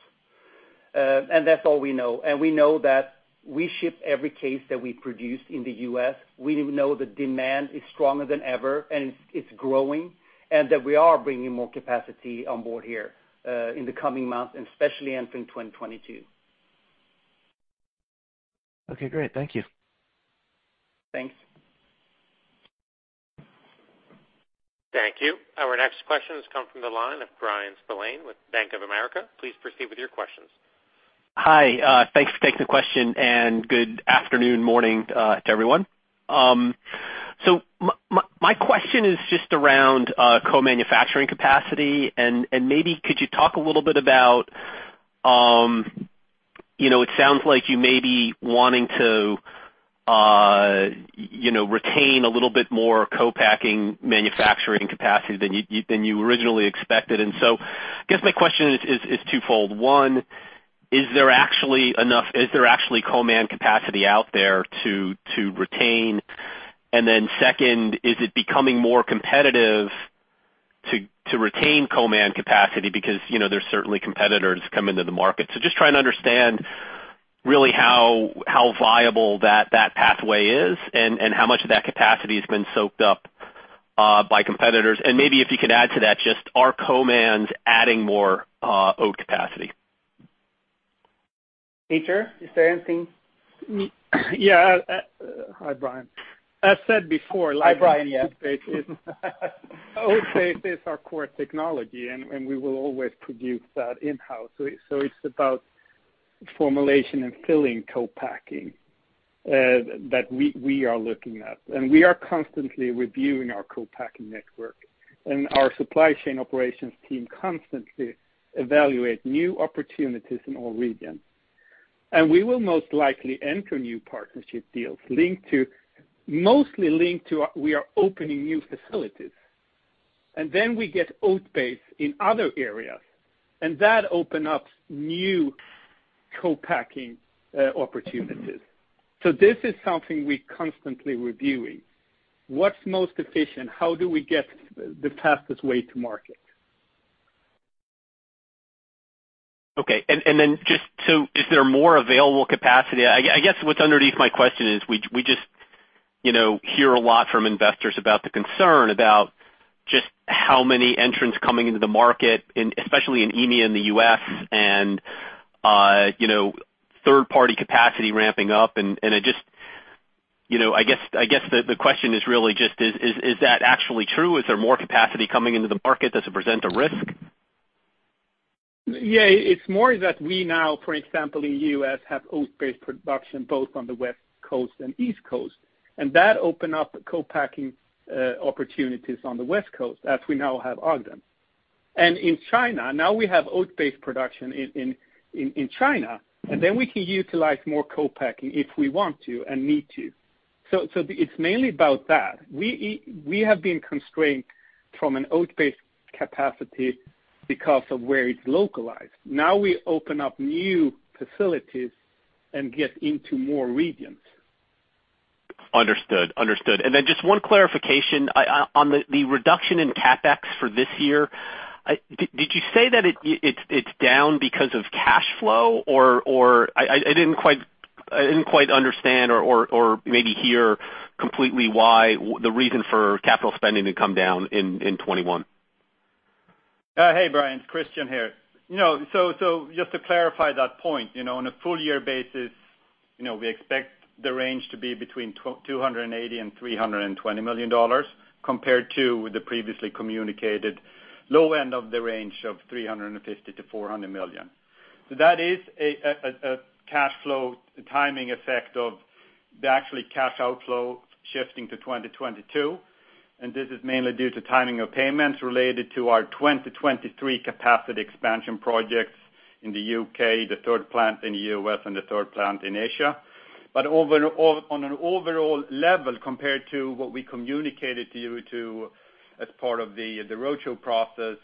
That's all we know. We know that we ship every case that we produce in the U.S.. We know the demand is stronger than ever, and it's growing, and that we are bringing more capacity on board here in the coming months, and especially entering 2022. Okay, great. Thank you. Thanks. Thank you. Our next question has come from the line of Bryan Spillane with Bank of America. Please proceed with your questions. Hi, thanks for taking the question, and good afternoon, morning, to everyone. My question is just around co-manufacturing capacity. Maybe you could talk a little bit about, you know, it sounds like you may be wanting to, you know, retain a little bit more co-packing manufacturing capacity than you originally expected. I guess my question is twofold. One, is there actually co-man capacity out there to retain? Second, is it becoming more competitive to retain co-man capacity because, you know, there's certainly competitors coming to the market. Just trying to understand really how viable that pathway is and how much of that capacity has been soaked up by competitors. Maybe if you could add to that, just are customers adding more oat capacity? Peter, is there anything? Yeah. Hi, Brian. As said before. Hi, Brian. Yeah. Oat base is our core technology, and we will always produce that in-house. It's about formulation and filling co-packing that we are looking at. We are constantly reviewing our co-packing network, and our supply chain operations team constantly evaluate new opportunities in all regions. We will most likely enter new partnership deals linked to, mostly linked to we are opening new facilities. Then we get oat base in other areas, and that opens up new co-packing opportunities. This is something we're constantly reviewing. What's most efficient? How do we get the fastest way to market? Okay. Then just so is there more available capacity? I guess what's underneath my question is we just, you know, hear a lot from investors about the concern about just how many entrants coming into the market in, especially in EMEA and the U.S. and, you know, third-party capacity ramping up. I just. You know, I guess the question is really just is that actually true? Is there more capacity coming into the market? Does it present a risk? Yeah. It's more that we now, for example, in U.S., have oat-based production both on the West Coast and East Coast, and that open up co-packing opportunities on the West Coast as we now have Ogden. In China, now we have oat-based production in China, and then we can utilize more co-packing if we want to and need to. It's mainly about that. We have been constrained from an oat-based capacity because of where it's localized. Now we open up new facilities and get into more regions. Understood. Just one clarification. On the reduction in CapEx for this year, did you say that it's down because of cash flow or I didn't quite understand or maybe hear completely why the reason for capital spending to come down in 2021. Hey, Bryan, it's Christian here. You know, just to clarify that point, you know, on a full year basis, you know, we expect the range to be between $280 million and $320 million, compared to the previously communicated low end of the range of $350 million-$400 million. That is a cash flow timing effect of the actual cash outflow. Shifting to 2022, this is mainly due to timing of payments related to our 2023 capacity expansion projects in the U.K., the third plant in the U.S., and the third plant in Asia. On an overall level, compared to what we communicated to you as part of the roadshow process,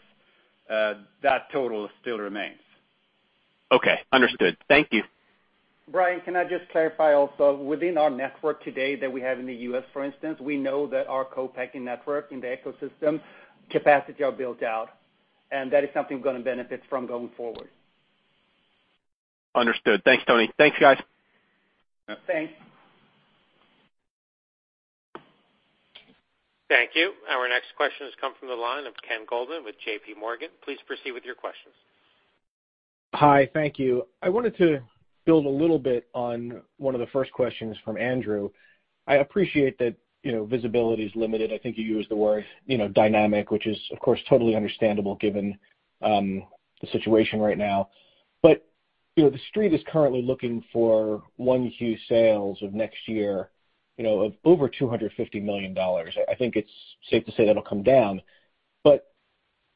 that total still remains. Okay. Understood. Thank you. Bryan, can I just clarify also, within our network today that we have in the U.S., for instance, we know that our co-packing network in the ecosystem capacity are built out, and that is something we're gonna benefit from going forward. Understood. Thanks, Toni. Thanks, guys. Thanks. Thank you. Our next question has come from the line of Ken Goldman with JPMorgan. Please proceed with your questions. Hi. Thank you. I wanted to build a little bit on one of the first questions from Andrew. I appreciate that, you know, visibility is limited. I think you used the word, you know, dynamic, which is, of course, totally understandable given the situation right now. You know, the street is currently looking for Q1 sales of next year, you know, of over $250 million. I think it's safe to say that'll come down, but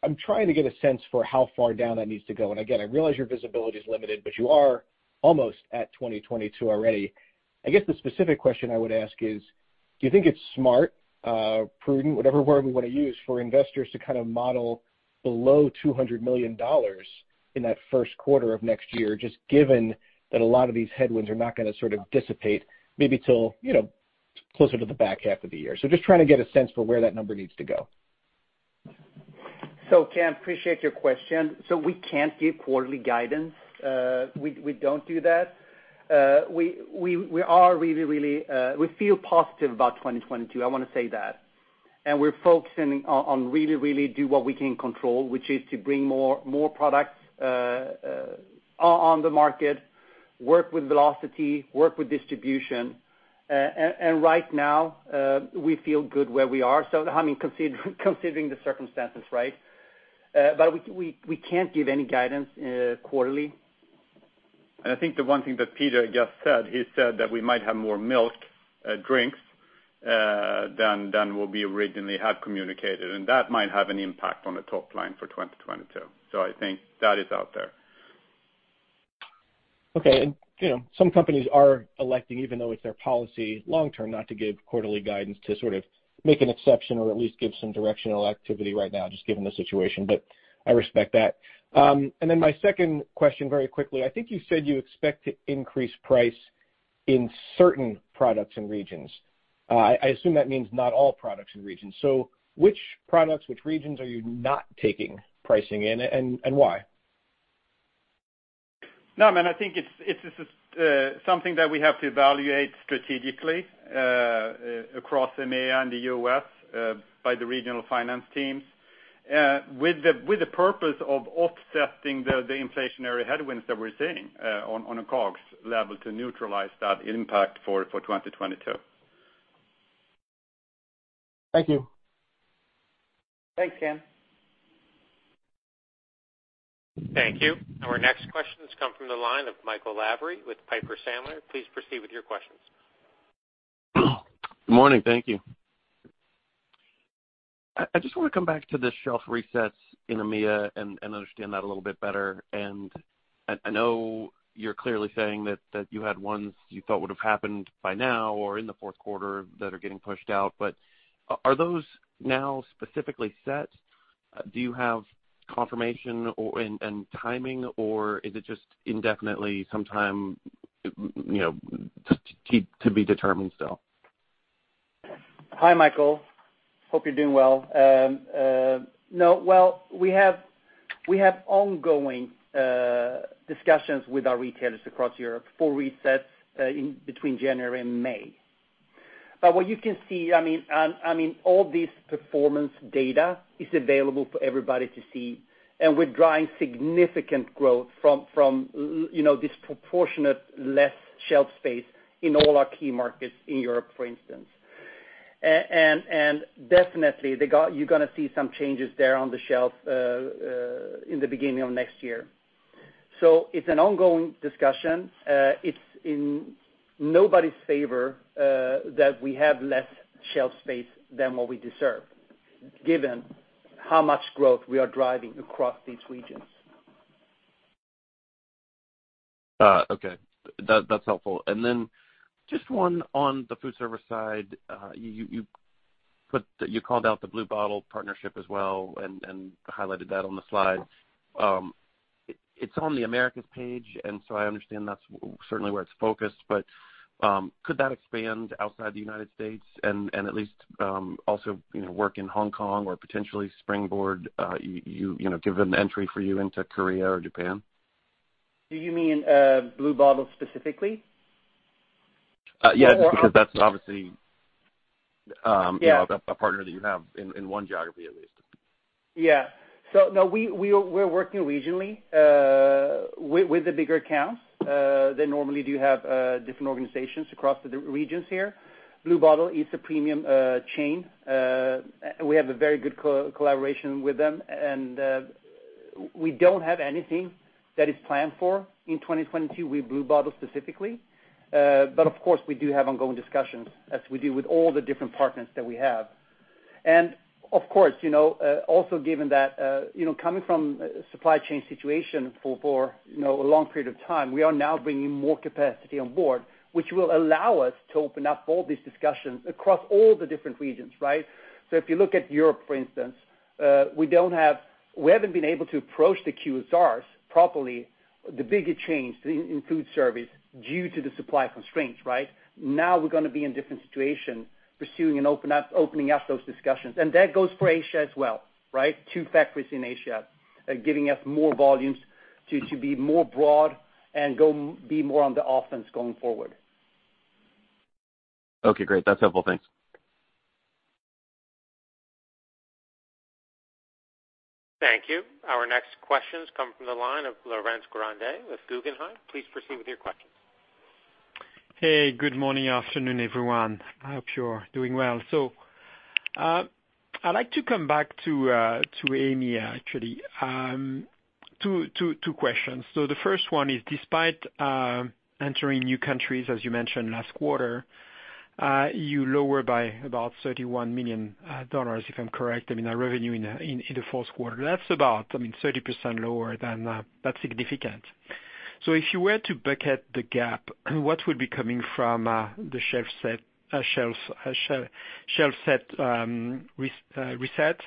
I'm trying to get a sense for how far down that needs to go. Again, I realize your visibility is limited, but you are almost at 2022 already. I guess the specific question I would ask is, do you think it's smart, prudent, whatever word we wanna use, for investors to kind of model below $200 million in that first quarter of next year, just given that a lot of these headwinds are not gonna sort of dissipate maybe till, you know, closer to the back half of the year? Just trying to get a sense for where that number needs to go. Ken, appreciate your question. We can't give quarterly guidance. We don't do that. We feel positive about 2022, I wanna say that. We're focusing on really do what we can control, which is to bring more products on the market, work with velocity, work with distribution. And right now, we feel good where we are. I mean, considering the circumstances, right? We can't give any guidance, quarterly. I think the one thing that Peter just said, he said that we might have more milk drinks than what we originally had communicated, and that might have an impact on the top line for 2022. I think that is out there. Okay. You know, some companies are electing, even though it's their policy long-term, not to give quarterly guidance to sort of make an exception or at least give some directional activity right now just given the situation, but I respect that. My second question very quickly, I think you said you expect to increase price in certain products and regions. I assume that means not all products and regions. Which products, which regions are you not taking pricing in and why? No, I mean, I think it's just something that we have to evaluate strategically across EMEA and the U.S., by the regional finance teams, with the purpose of offsetting the inflationary headwinds that we're seeing on a COGS level to neutralize that impact for 2022. Thank you. Thanks, Ken. Thank you. Our next question has come from the line of Michael Lavery with Piper Sandler. Please proceed with your questions. Good morning. Thank you. I just wanna come back to the shelf resets in EMEA and understand that a little bit better. I know you're clearly saying that you had ones you thought would have happened by now or in the fourth quarter that are getting pushed out, but are those now specifically set? Do you have confirmation or and timing, or is it just indefinitely sometime, you know, to be determined still? Hi, Michael. Hope you're doing well. We have ongoing discussions with our retailers across Europe for resets in between January and May. What you can see, I mean, all this performance data is available for everybody to see, and we're driving significant growth from you know, disproportionately less shelf space in all our key markets in Europe, for instance. Definitely, you're gonna see some changes there on the shelf in the beginning of next year. It's an ongoing discussion. It's in nobody's favor that we have less shelf space than what we deserve, given how much growth we are driving across these regions. Okay. That's helpful. Just one on the Foodservice side. You called out the Blue Bottle partnership as well and highlighted that on the slide. It's on the Americas page, and so I understand that's certainly where it's focused. Could that expand outside the United States and at least also, you know, work in Hong Kong or potentially springboard, you know, give an entry for you into Korea or Japan? Do you mean, Blue Bottle specifically? Yeah, because that's obviously, you know, a partner that you have in one geography at least. No, we're working regionally with the bigger accounts that normally do have different organizations across the different regions here. Blue Bottle is a premium chain and we have a very good collaboration with them, and we don't have anything that is planned for in 2022 with Blue Bottle specifically. But of course, we do have ongoing discussions, as we do with all the different partners that we have. Of course, you know, also given that, you know, coming from a supply chain situation for, you know, a long period of time, we are now bringing more capacity on board, which will allow us to open up all these discussions across all the different regions, right? If you look at Europe, for instance, we haven't been able to approach the QSRs properly, the bigger chains in Foodservice, due to the supply constraints, right? Now we're gonna be in different situation, pursuing and opening up those discussions. That goes for Asia as well, right? Two factories in Asia, giving us more volumes to be more broad and go be more on the offense going forward. Okay, great. That's helpful. Thanks. Thank you. Our next questions come from the line of Laurent Grandet with Guggenheim. Please proceed with your questions. Hey, good morning, afternoon, everyone. I hope you're doing well. I'd like to come back to EMEA, actually. Two questions. The first one is, despite entering new countries, as you mentioned last quarter, you lower by about $31 million, if I'm correct, I mean, revenue in the fourth quarter. That's about, I mean, 30% lower than that. That's significant. If you were to bucket the gap, what would be coming from the shelf set reset,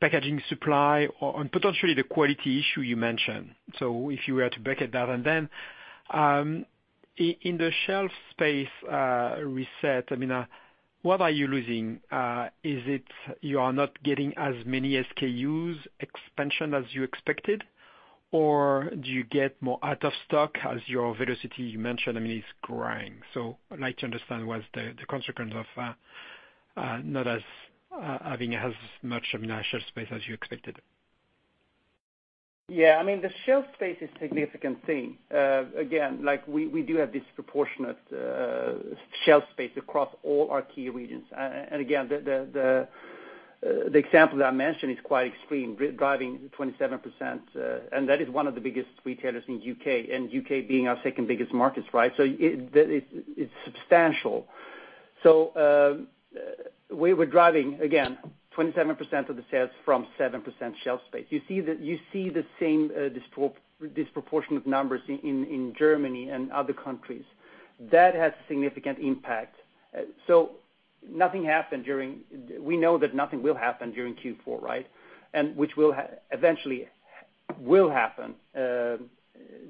packaging supply or and potentially the quality issue you mentioned. If you were to bucket that. In the shelf space reset, I mean, what are you losing? Is it you are not getting as many SKUs expansion as you expected? Do you get more out of stock as your velocity, you mentioned, I mean, is growing. I'd like to understand what's the consequence of not having as much, I mean, shelf space as you expected. I mean, the shelf space is a significant thing. Again, we do have disproportionate shelf space across all our key regions. Again, the example that I mentioned is quite extreme. Driving 27%, and that is one of the biggest retailers in U.K., and U.K. being our second biggest market, right? It's substantial. We were driving 27% of the sales from 7% shelf space. You see the same disproportionate numbers in Germany and other countries. That has significant impact. Nothing happened during Q4. We know that nothing will happen during Q4, right? Which will eventually happen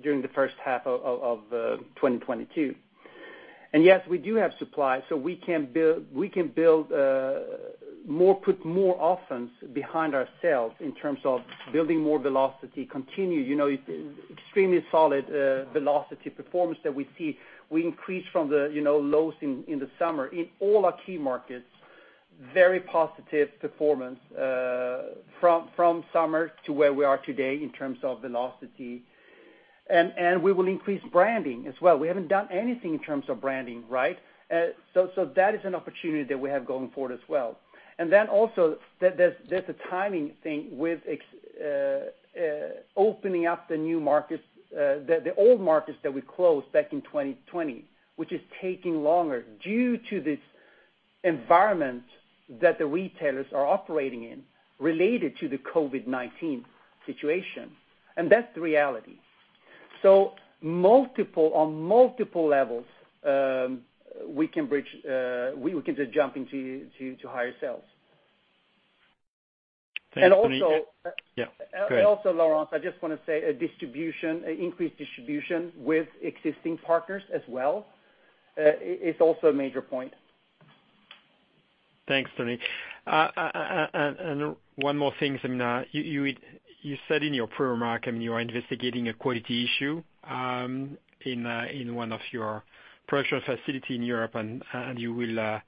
during the first half of 2022. Yes, we do have supply, so we can build more, put more offense behind ourselves in terms of building more velocity, continue, you know, extremely solid velocity performance that we see. We increased from the, you know, lows in the summer in all our key markets. Very positive performance from summer to where we are today in terms of velocity. We will increase branding as well. We haven't done anything in terms of branding, right? So that is an opportunity that we have going forward as well. Then also there's a timing thing with opening up the new markets, the old markets that we closed back in 2020, which is taking longer due to this environment that the retailers are operating in related to the COVID-19 situation. That's the reality. On multiple levels, we can bridge. We can just jump into higher sales. Thanks, Toni. And also- Yeah. Go ahead. Laurent, I just wanna say, distribution, increased distribution with existing partners as well, is also a major point. Thanks, Toni. And one more thing, I mean, you said in your prepared remarks, I mean, you are investigating a quality issue in one of your production facilities in Europe and you will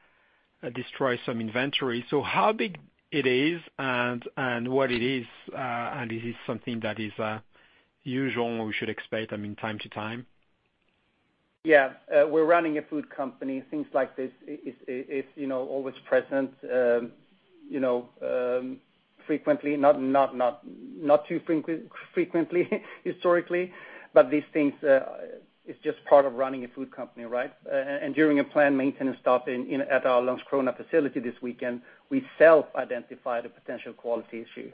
destroy some inventory. How big is it and what is it, and is it something that is usual we should expect, I mean, from time to time? Yeah. We're running a food company. Things like this is, you know, always present, you know, frequently. Not too frequently historically, but these things is just part of running a food company, right? During a planned maintenance stop at our Landskrona facility this weekend, we self-identified a potential quality issue.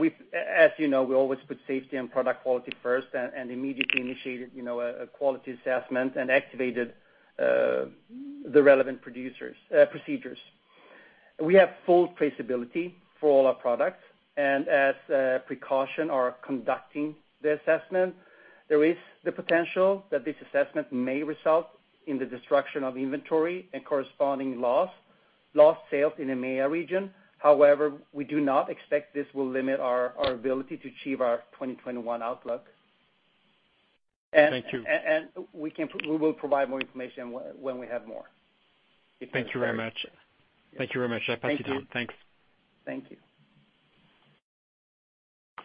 We've, as you know, we always put safety and product quality first and immediately initiated, you know, a quality assessment and activated the relevant producer procedures. We have full traceability for all our products and as a precaution are conducting the assessment. There is the potential that this assessment may result in the destruction of inventory and corresponding lost sales in the EMEA region. However, we do not expect this will limit our ability to achieve our 2021 outlook. And- Thank you. We will provide more information when we have more. Thank you very much. I appreciate it. Thanks. Thank you.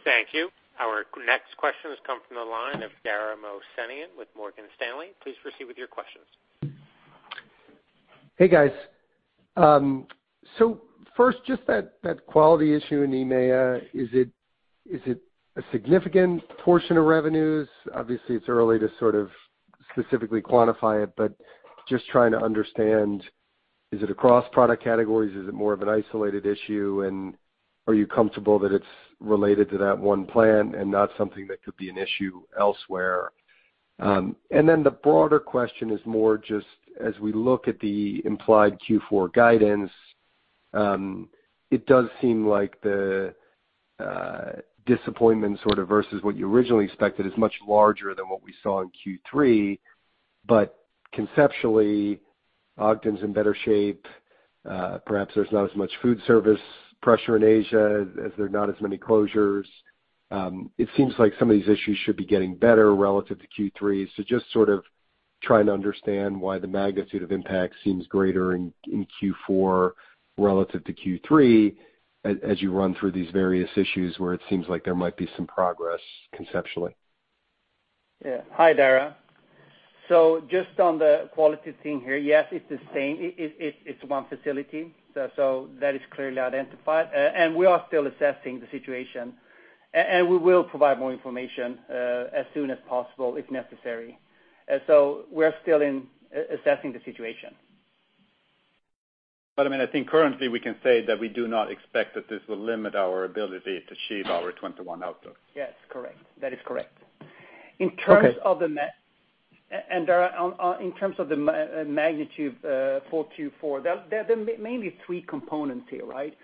Thank you. Our next question has come from the line of Dara Mohsenian with Morgan Stanley. Please proceed with your questions. Hey, guys. First, just that quality issue in EMEA, is it a significant portion of revenues? Obviously, it's early to sort of specifically quantify it, but just trying to understand, is it across product categories? Is it more of an isolated issue? Are you comfortable that it's related to that one plant and not something that could be an issue elsewhere? Then the broader question is more just as we look at the implied Q4 guidance, it does seem like the disappointment sort of versus what you originally expected is much larger than what we saw in Q3. Conceptually, Ogden's in better shape. Perhaps there's not as much Foodservice pressure in Asia as there are not as many closures. It seems like some of these issues should be getting better relative to Q3. Just sort of trying to understand why the magnitude of impact seems greater in Q4 relative to Q3 as you run through these various issues where it seems like there might be some progress conceptually. Yeah. Hi, Dara. Just on the quality thing here, yes, it's the same. It's one facility, so that is clearly identified. We are still assessing the situation. We will provide more information as soon as possible if necessary. We're still assessing the situation. I mean, I think currently we can say that we do not expect that this will limit our ability to achieve our 21 output. Yes, correct. That is correct. Okay. In terms of the magnitude, Dara, for Q4, there are mainly three components here, right?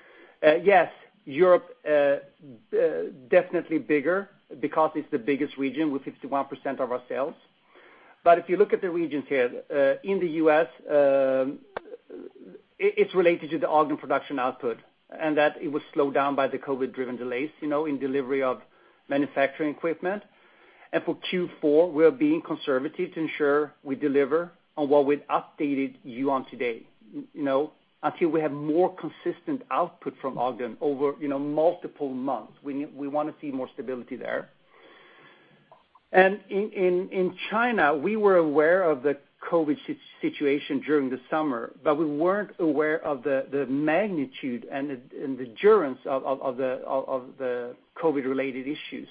Yes, Europe definitely bigger because it's the biggest region with 51% of our sales. If you look at the regions here, in the U.S., it's related to the Ogden production output, and that it was slowed down by the COVID-driven delays, you know, in delivery of manufacturing equipment. For Q4, we're being conservative to ensure we deliver on what we've updated you on today, you know, until we have more consistent output from Ogden over, you know, multiple months. We wanna see more stability there. In China, we were aware of the COVID situation during the summer, but we weren't aware of the magnitude and the endurance of the COVID-related issues.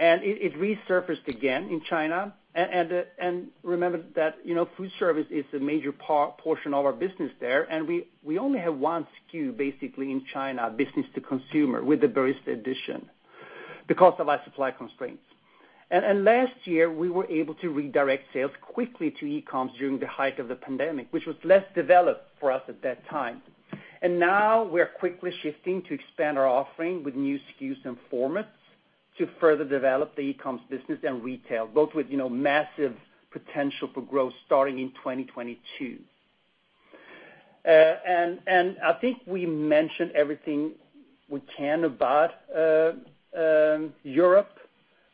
It resurfaced again in China. Remember that, you know, Foodservice is a major portion of our business there, and we only have one SKU basically in China, business to consumer, with the Barista Edition because of our supply constraints. Last year, we were able to redirect sales quickly to e-com during the height of the pandemic, which was less developed for us at that time. Now we're quickly shifting to expand our offering with new SKUs and formats to further develop the e-com business and retail, both with, you know, massive potential for growth starting in 2022. I think we mentioned everything we can about Europe.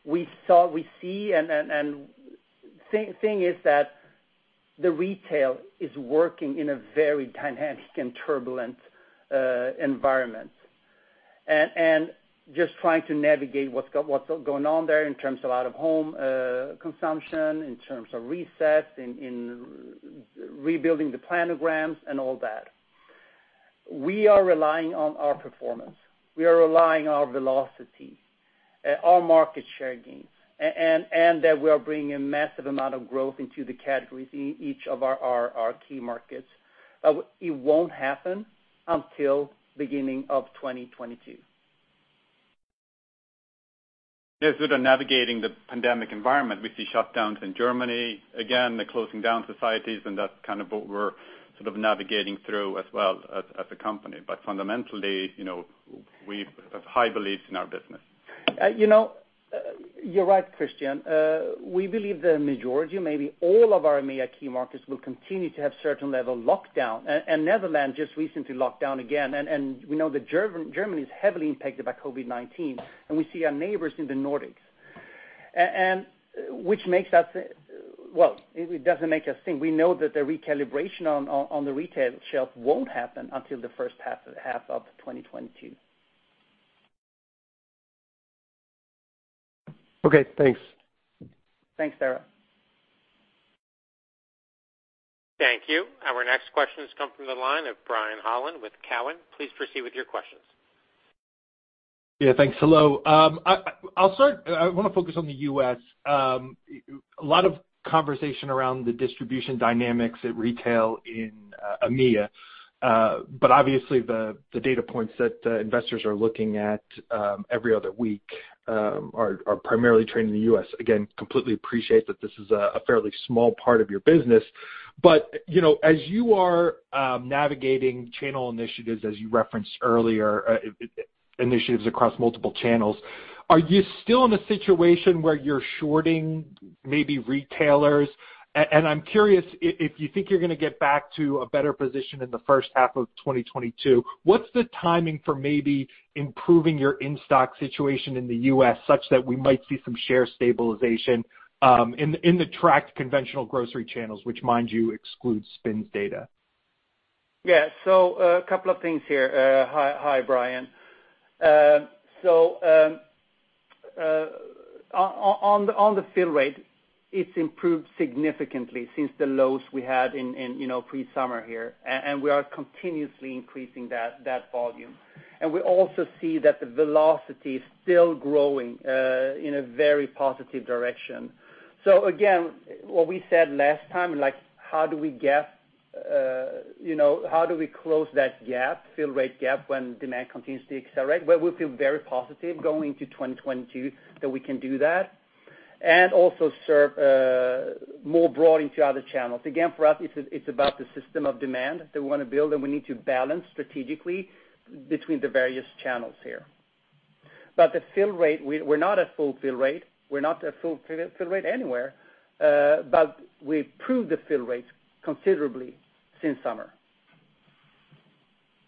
We see, and the thing is that the retail is working in a very dynamic and turbulent environment, just trying to navigate what's going on there in terms of out of home consumption, in terms of resets, in rebuilding the planograms and all that. We are relying on our performance. We are relying on our velocity, our market share gains, and that we are bringing a massive amount of growth into the categories in each of our key markets. It won't happen until the beginning of 2022. Yes, we are navigating the pandemic environment. We see shutdowns in Germany, again, the closing down societies, and that's kind of what we're sort of navigating through as well as a company. Fundamentally, you know, we have high beliefs in our business. You know, you're right, Christian. We believe the majority, maybe all of our EMEA key markets will continue to have certain level lockdown. Netherlands just recently locked down again. We know that Germany is heavily impacted by COVID-19, and we see our neighbors in the Nordics, which makes us, well, it doesn't make us think. We know that the recalibration on the retail shelf won't happen until the first half of 2022. Okay, thanks. Thanks, Dara. Thank you. Our next question has come from the line of Brian Holland with Cowen. Please proceed with your questions. Yeah, thanks. Hello. I'll start. I wanna focus on the U.S.. A lot of conversation around the distribution dynamics at retail in EMEA. Obviously the data points that investors are looking at every other week are primarily trending in the U.S.. Again, completely appreciate that this is a fairly small part of your business. You know, as you are navigating channel initiatives, as you referenced earlier, initiatives across multiple channels, are you still in a situation where you're shorting maybe retailers? I'm curious if you think you're gonna get back to a better position in the first half of 2022, what's the timing for maybe improving your in-stock situation in the U.S. such that we might see some share stabilization in the tracked conventional grocery channels, which mind you excludes SPINS data? Yeah. A couple of things here. Hi, Brian. On the fill rate, it's improved significantly since the lows we had in you know pre-summer here. And we are continuously increasing that volume. And we also see that the velocity is still growing in a very positive direction. Again, what we said last time, like how do we close that gap, fill rate gap when demand continues to accelerate? We feel very positive going into 2022 that we can do that, and also serve more broadly into other channels. Again, for us, it's about the system of demand that we wanna build, and we need to balance strategically between the various channels here. The fill rate, we're not at full fill rate. We're not at full fill rate anywhere, but we've improved the fill rate considerably since summer.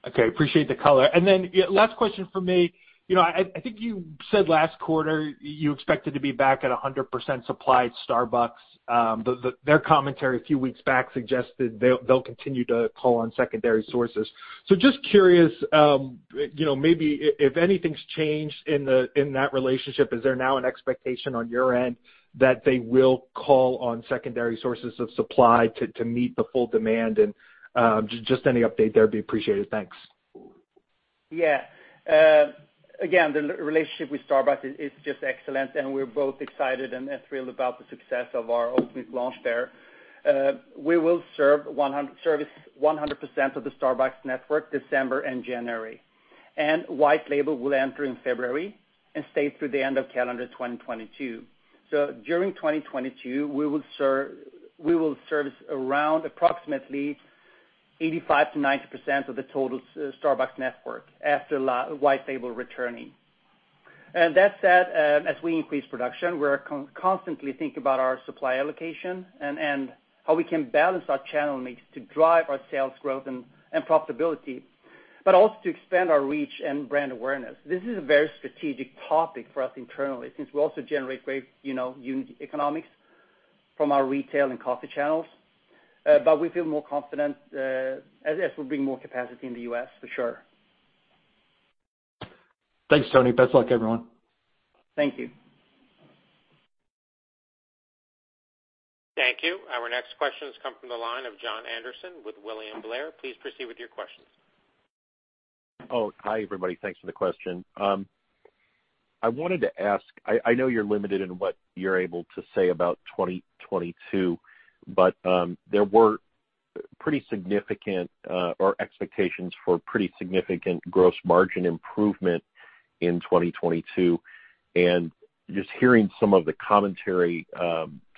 Okay. I appreciate the color. Then last question from me. You know, I think you said last quarter you expected to be back at 100% supply at Starbucks. Their commentary a few weeks back suggested they'll continue to call on secondary sources. Just curious, you know, maybe if anything's changed in that relationship, is there now an expectation on your end that they will call on secondary sources of supply to meet the full demand? Just any update there would be appreciated. Thanks. Again, the relationship with Starbucks is just excellent, and we're both excited and thrilled about the success of our ultimate launch there. We will service 100% of the Starbucks network December and January. White Label will enter in February and stay through the end of calendar 2022. During 2022, we will service around approximately 85%-90% of the total Starbucks network after white label returning. That said, as we increase production, we're constantly think about our supply allocation and how we can balance our channel mix to drive our sales growth and profitability, but also to expand our reach and brand awareness. This is a very strategic topic for us internally, since we also generate great, you know, unit economics from our Retail and coffee channels. We feel more confident, as we bring more capacity in the U.S. for sure. Thanks, Toni. Best of luck, everyone. Thank you. Thank you. Our next question has come from the line of Jon Andersen with William Blair. Please proceed with your questions. Oh, hi, everybody. Thanks for the question. I wanted to ask. I know you're limited in what you're able to say about 2022, but there were pretty significant or expectations for pretty significant gross margin improvement in 2022. Just hearing some of the commentary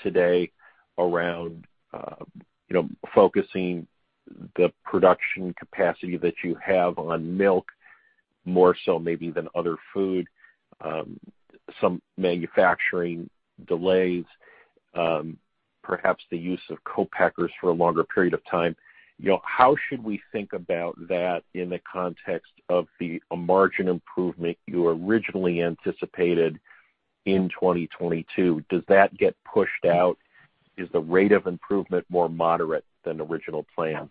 today around you know focusing the production capacity that you have on milk more so maybe than other food, some manufacturing delays, perhaps the use of co-packers for a longer period of time. You know, how should we think about that in the context of the margin improvement you originally anticipated in 2022? Does that get pushed out? Is the rate of improvement more moderate than original plan?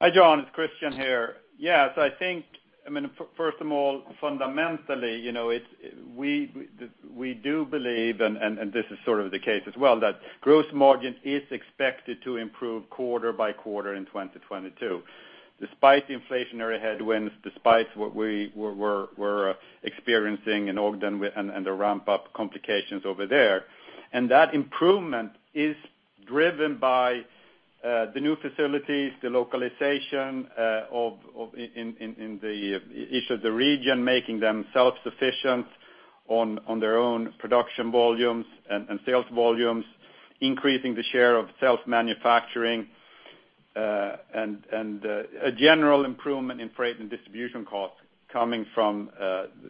Hi, John, it's Christian here. So I think, I mean, first of all, fundamentally, you know, it's we do believe, and this is sort of the case as well, that gross margin is expected to improve quarter by quarter in 2022, despite the inflationary headwinds, despite what we were experiencing in Ogden with the ramp-up complications over there. That improvement is driven by the new facilities, the localization of in each of the region, making them self-sufficient on their own production volumes and sales volumes, increasing the share of self-manufacturing, and a general improvement in freight and distribution costs coming from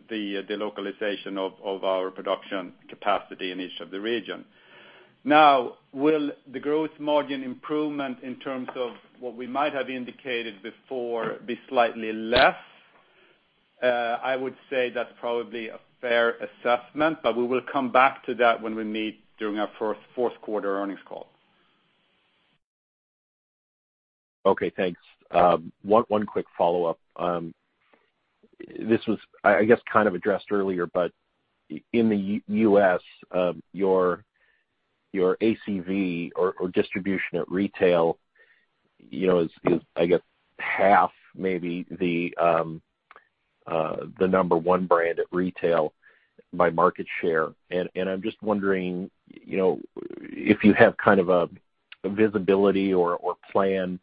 the localization of our production capacity in each of the region. Now, will the growth margin improvement in terms of what we might have indicated before be slightly less? I would say that's probably a fair assessment, but we will come back to that when we meet during our fourth quarter earnings call. Okay, thanks. One quick follow-up. This was, I guess kind of addressed earlier, but in the U.S., your ACV or distribution at retail, you know, is I guess half maybe the number one brand at retail by market share. I'm just wondering, you know, if you have kind of a visibility or plan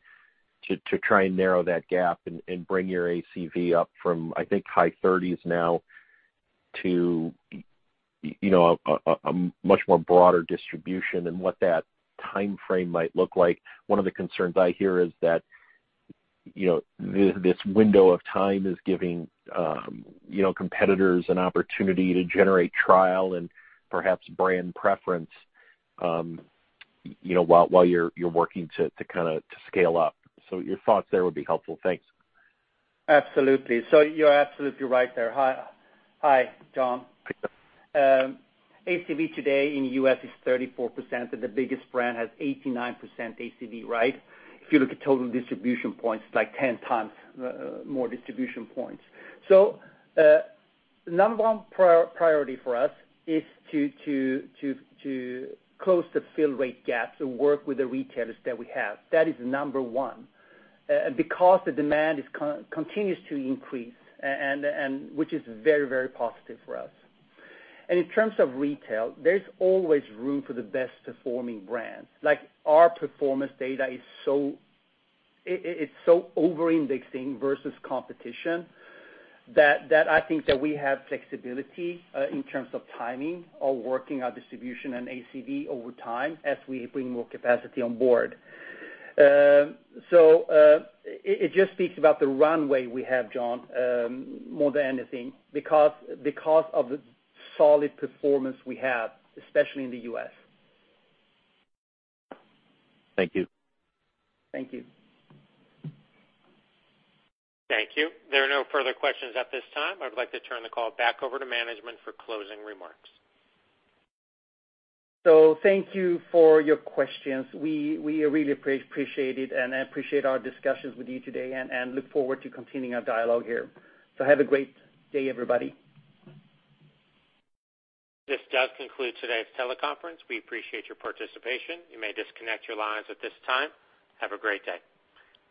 to try and narrow that gap and bring your ACV up from, I think, high thirties now to, you know, a much more broader distribution and what that timeframe might look like. One of the concerns I hear is that, you know, this window of time is giving, you know, competitors an opportunity to generate trial and perhaps brand preference, you know, while you're working to kinda scale up. Your thoughts there would be helpful. Thanks. Absolutely. You're absolutely right there. Hi, Jon. Hi. ACV today in the U.S. is 34%, and the biggest brand has 89% ACV, right? If you look at total distribution points, it's like 10x more distribution points. Number one priority for us is to close the fill rate gaps and work with the retailers that we have. That is number one. Because the demand continues to increase, which is very, very positive for us. In terms of Retail, there's always room for the best performing brands. Like our performance data is so—it's so over-indexing versus competition that I think that we have flexibility in terms of timing or working our distribution and ACV over time as we bring more capacity on board. It just speaks about the runway we have, Jon, more than anything because of the solid performance we have, especially in the U.S. Thank you. Thank you. Thank you. There are no further questions at this time. I would like to turn the call back over to management for closing remarks. Thank you for your questions. We really appreciate it and appreciate our discussions with you today and look forward to continuing our dialogue here. Have a great day, everybody. This does conclude today's teleconference. We appreciate your participation. You may disconnect your lines at this time. Have a great day.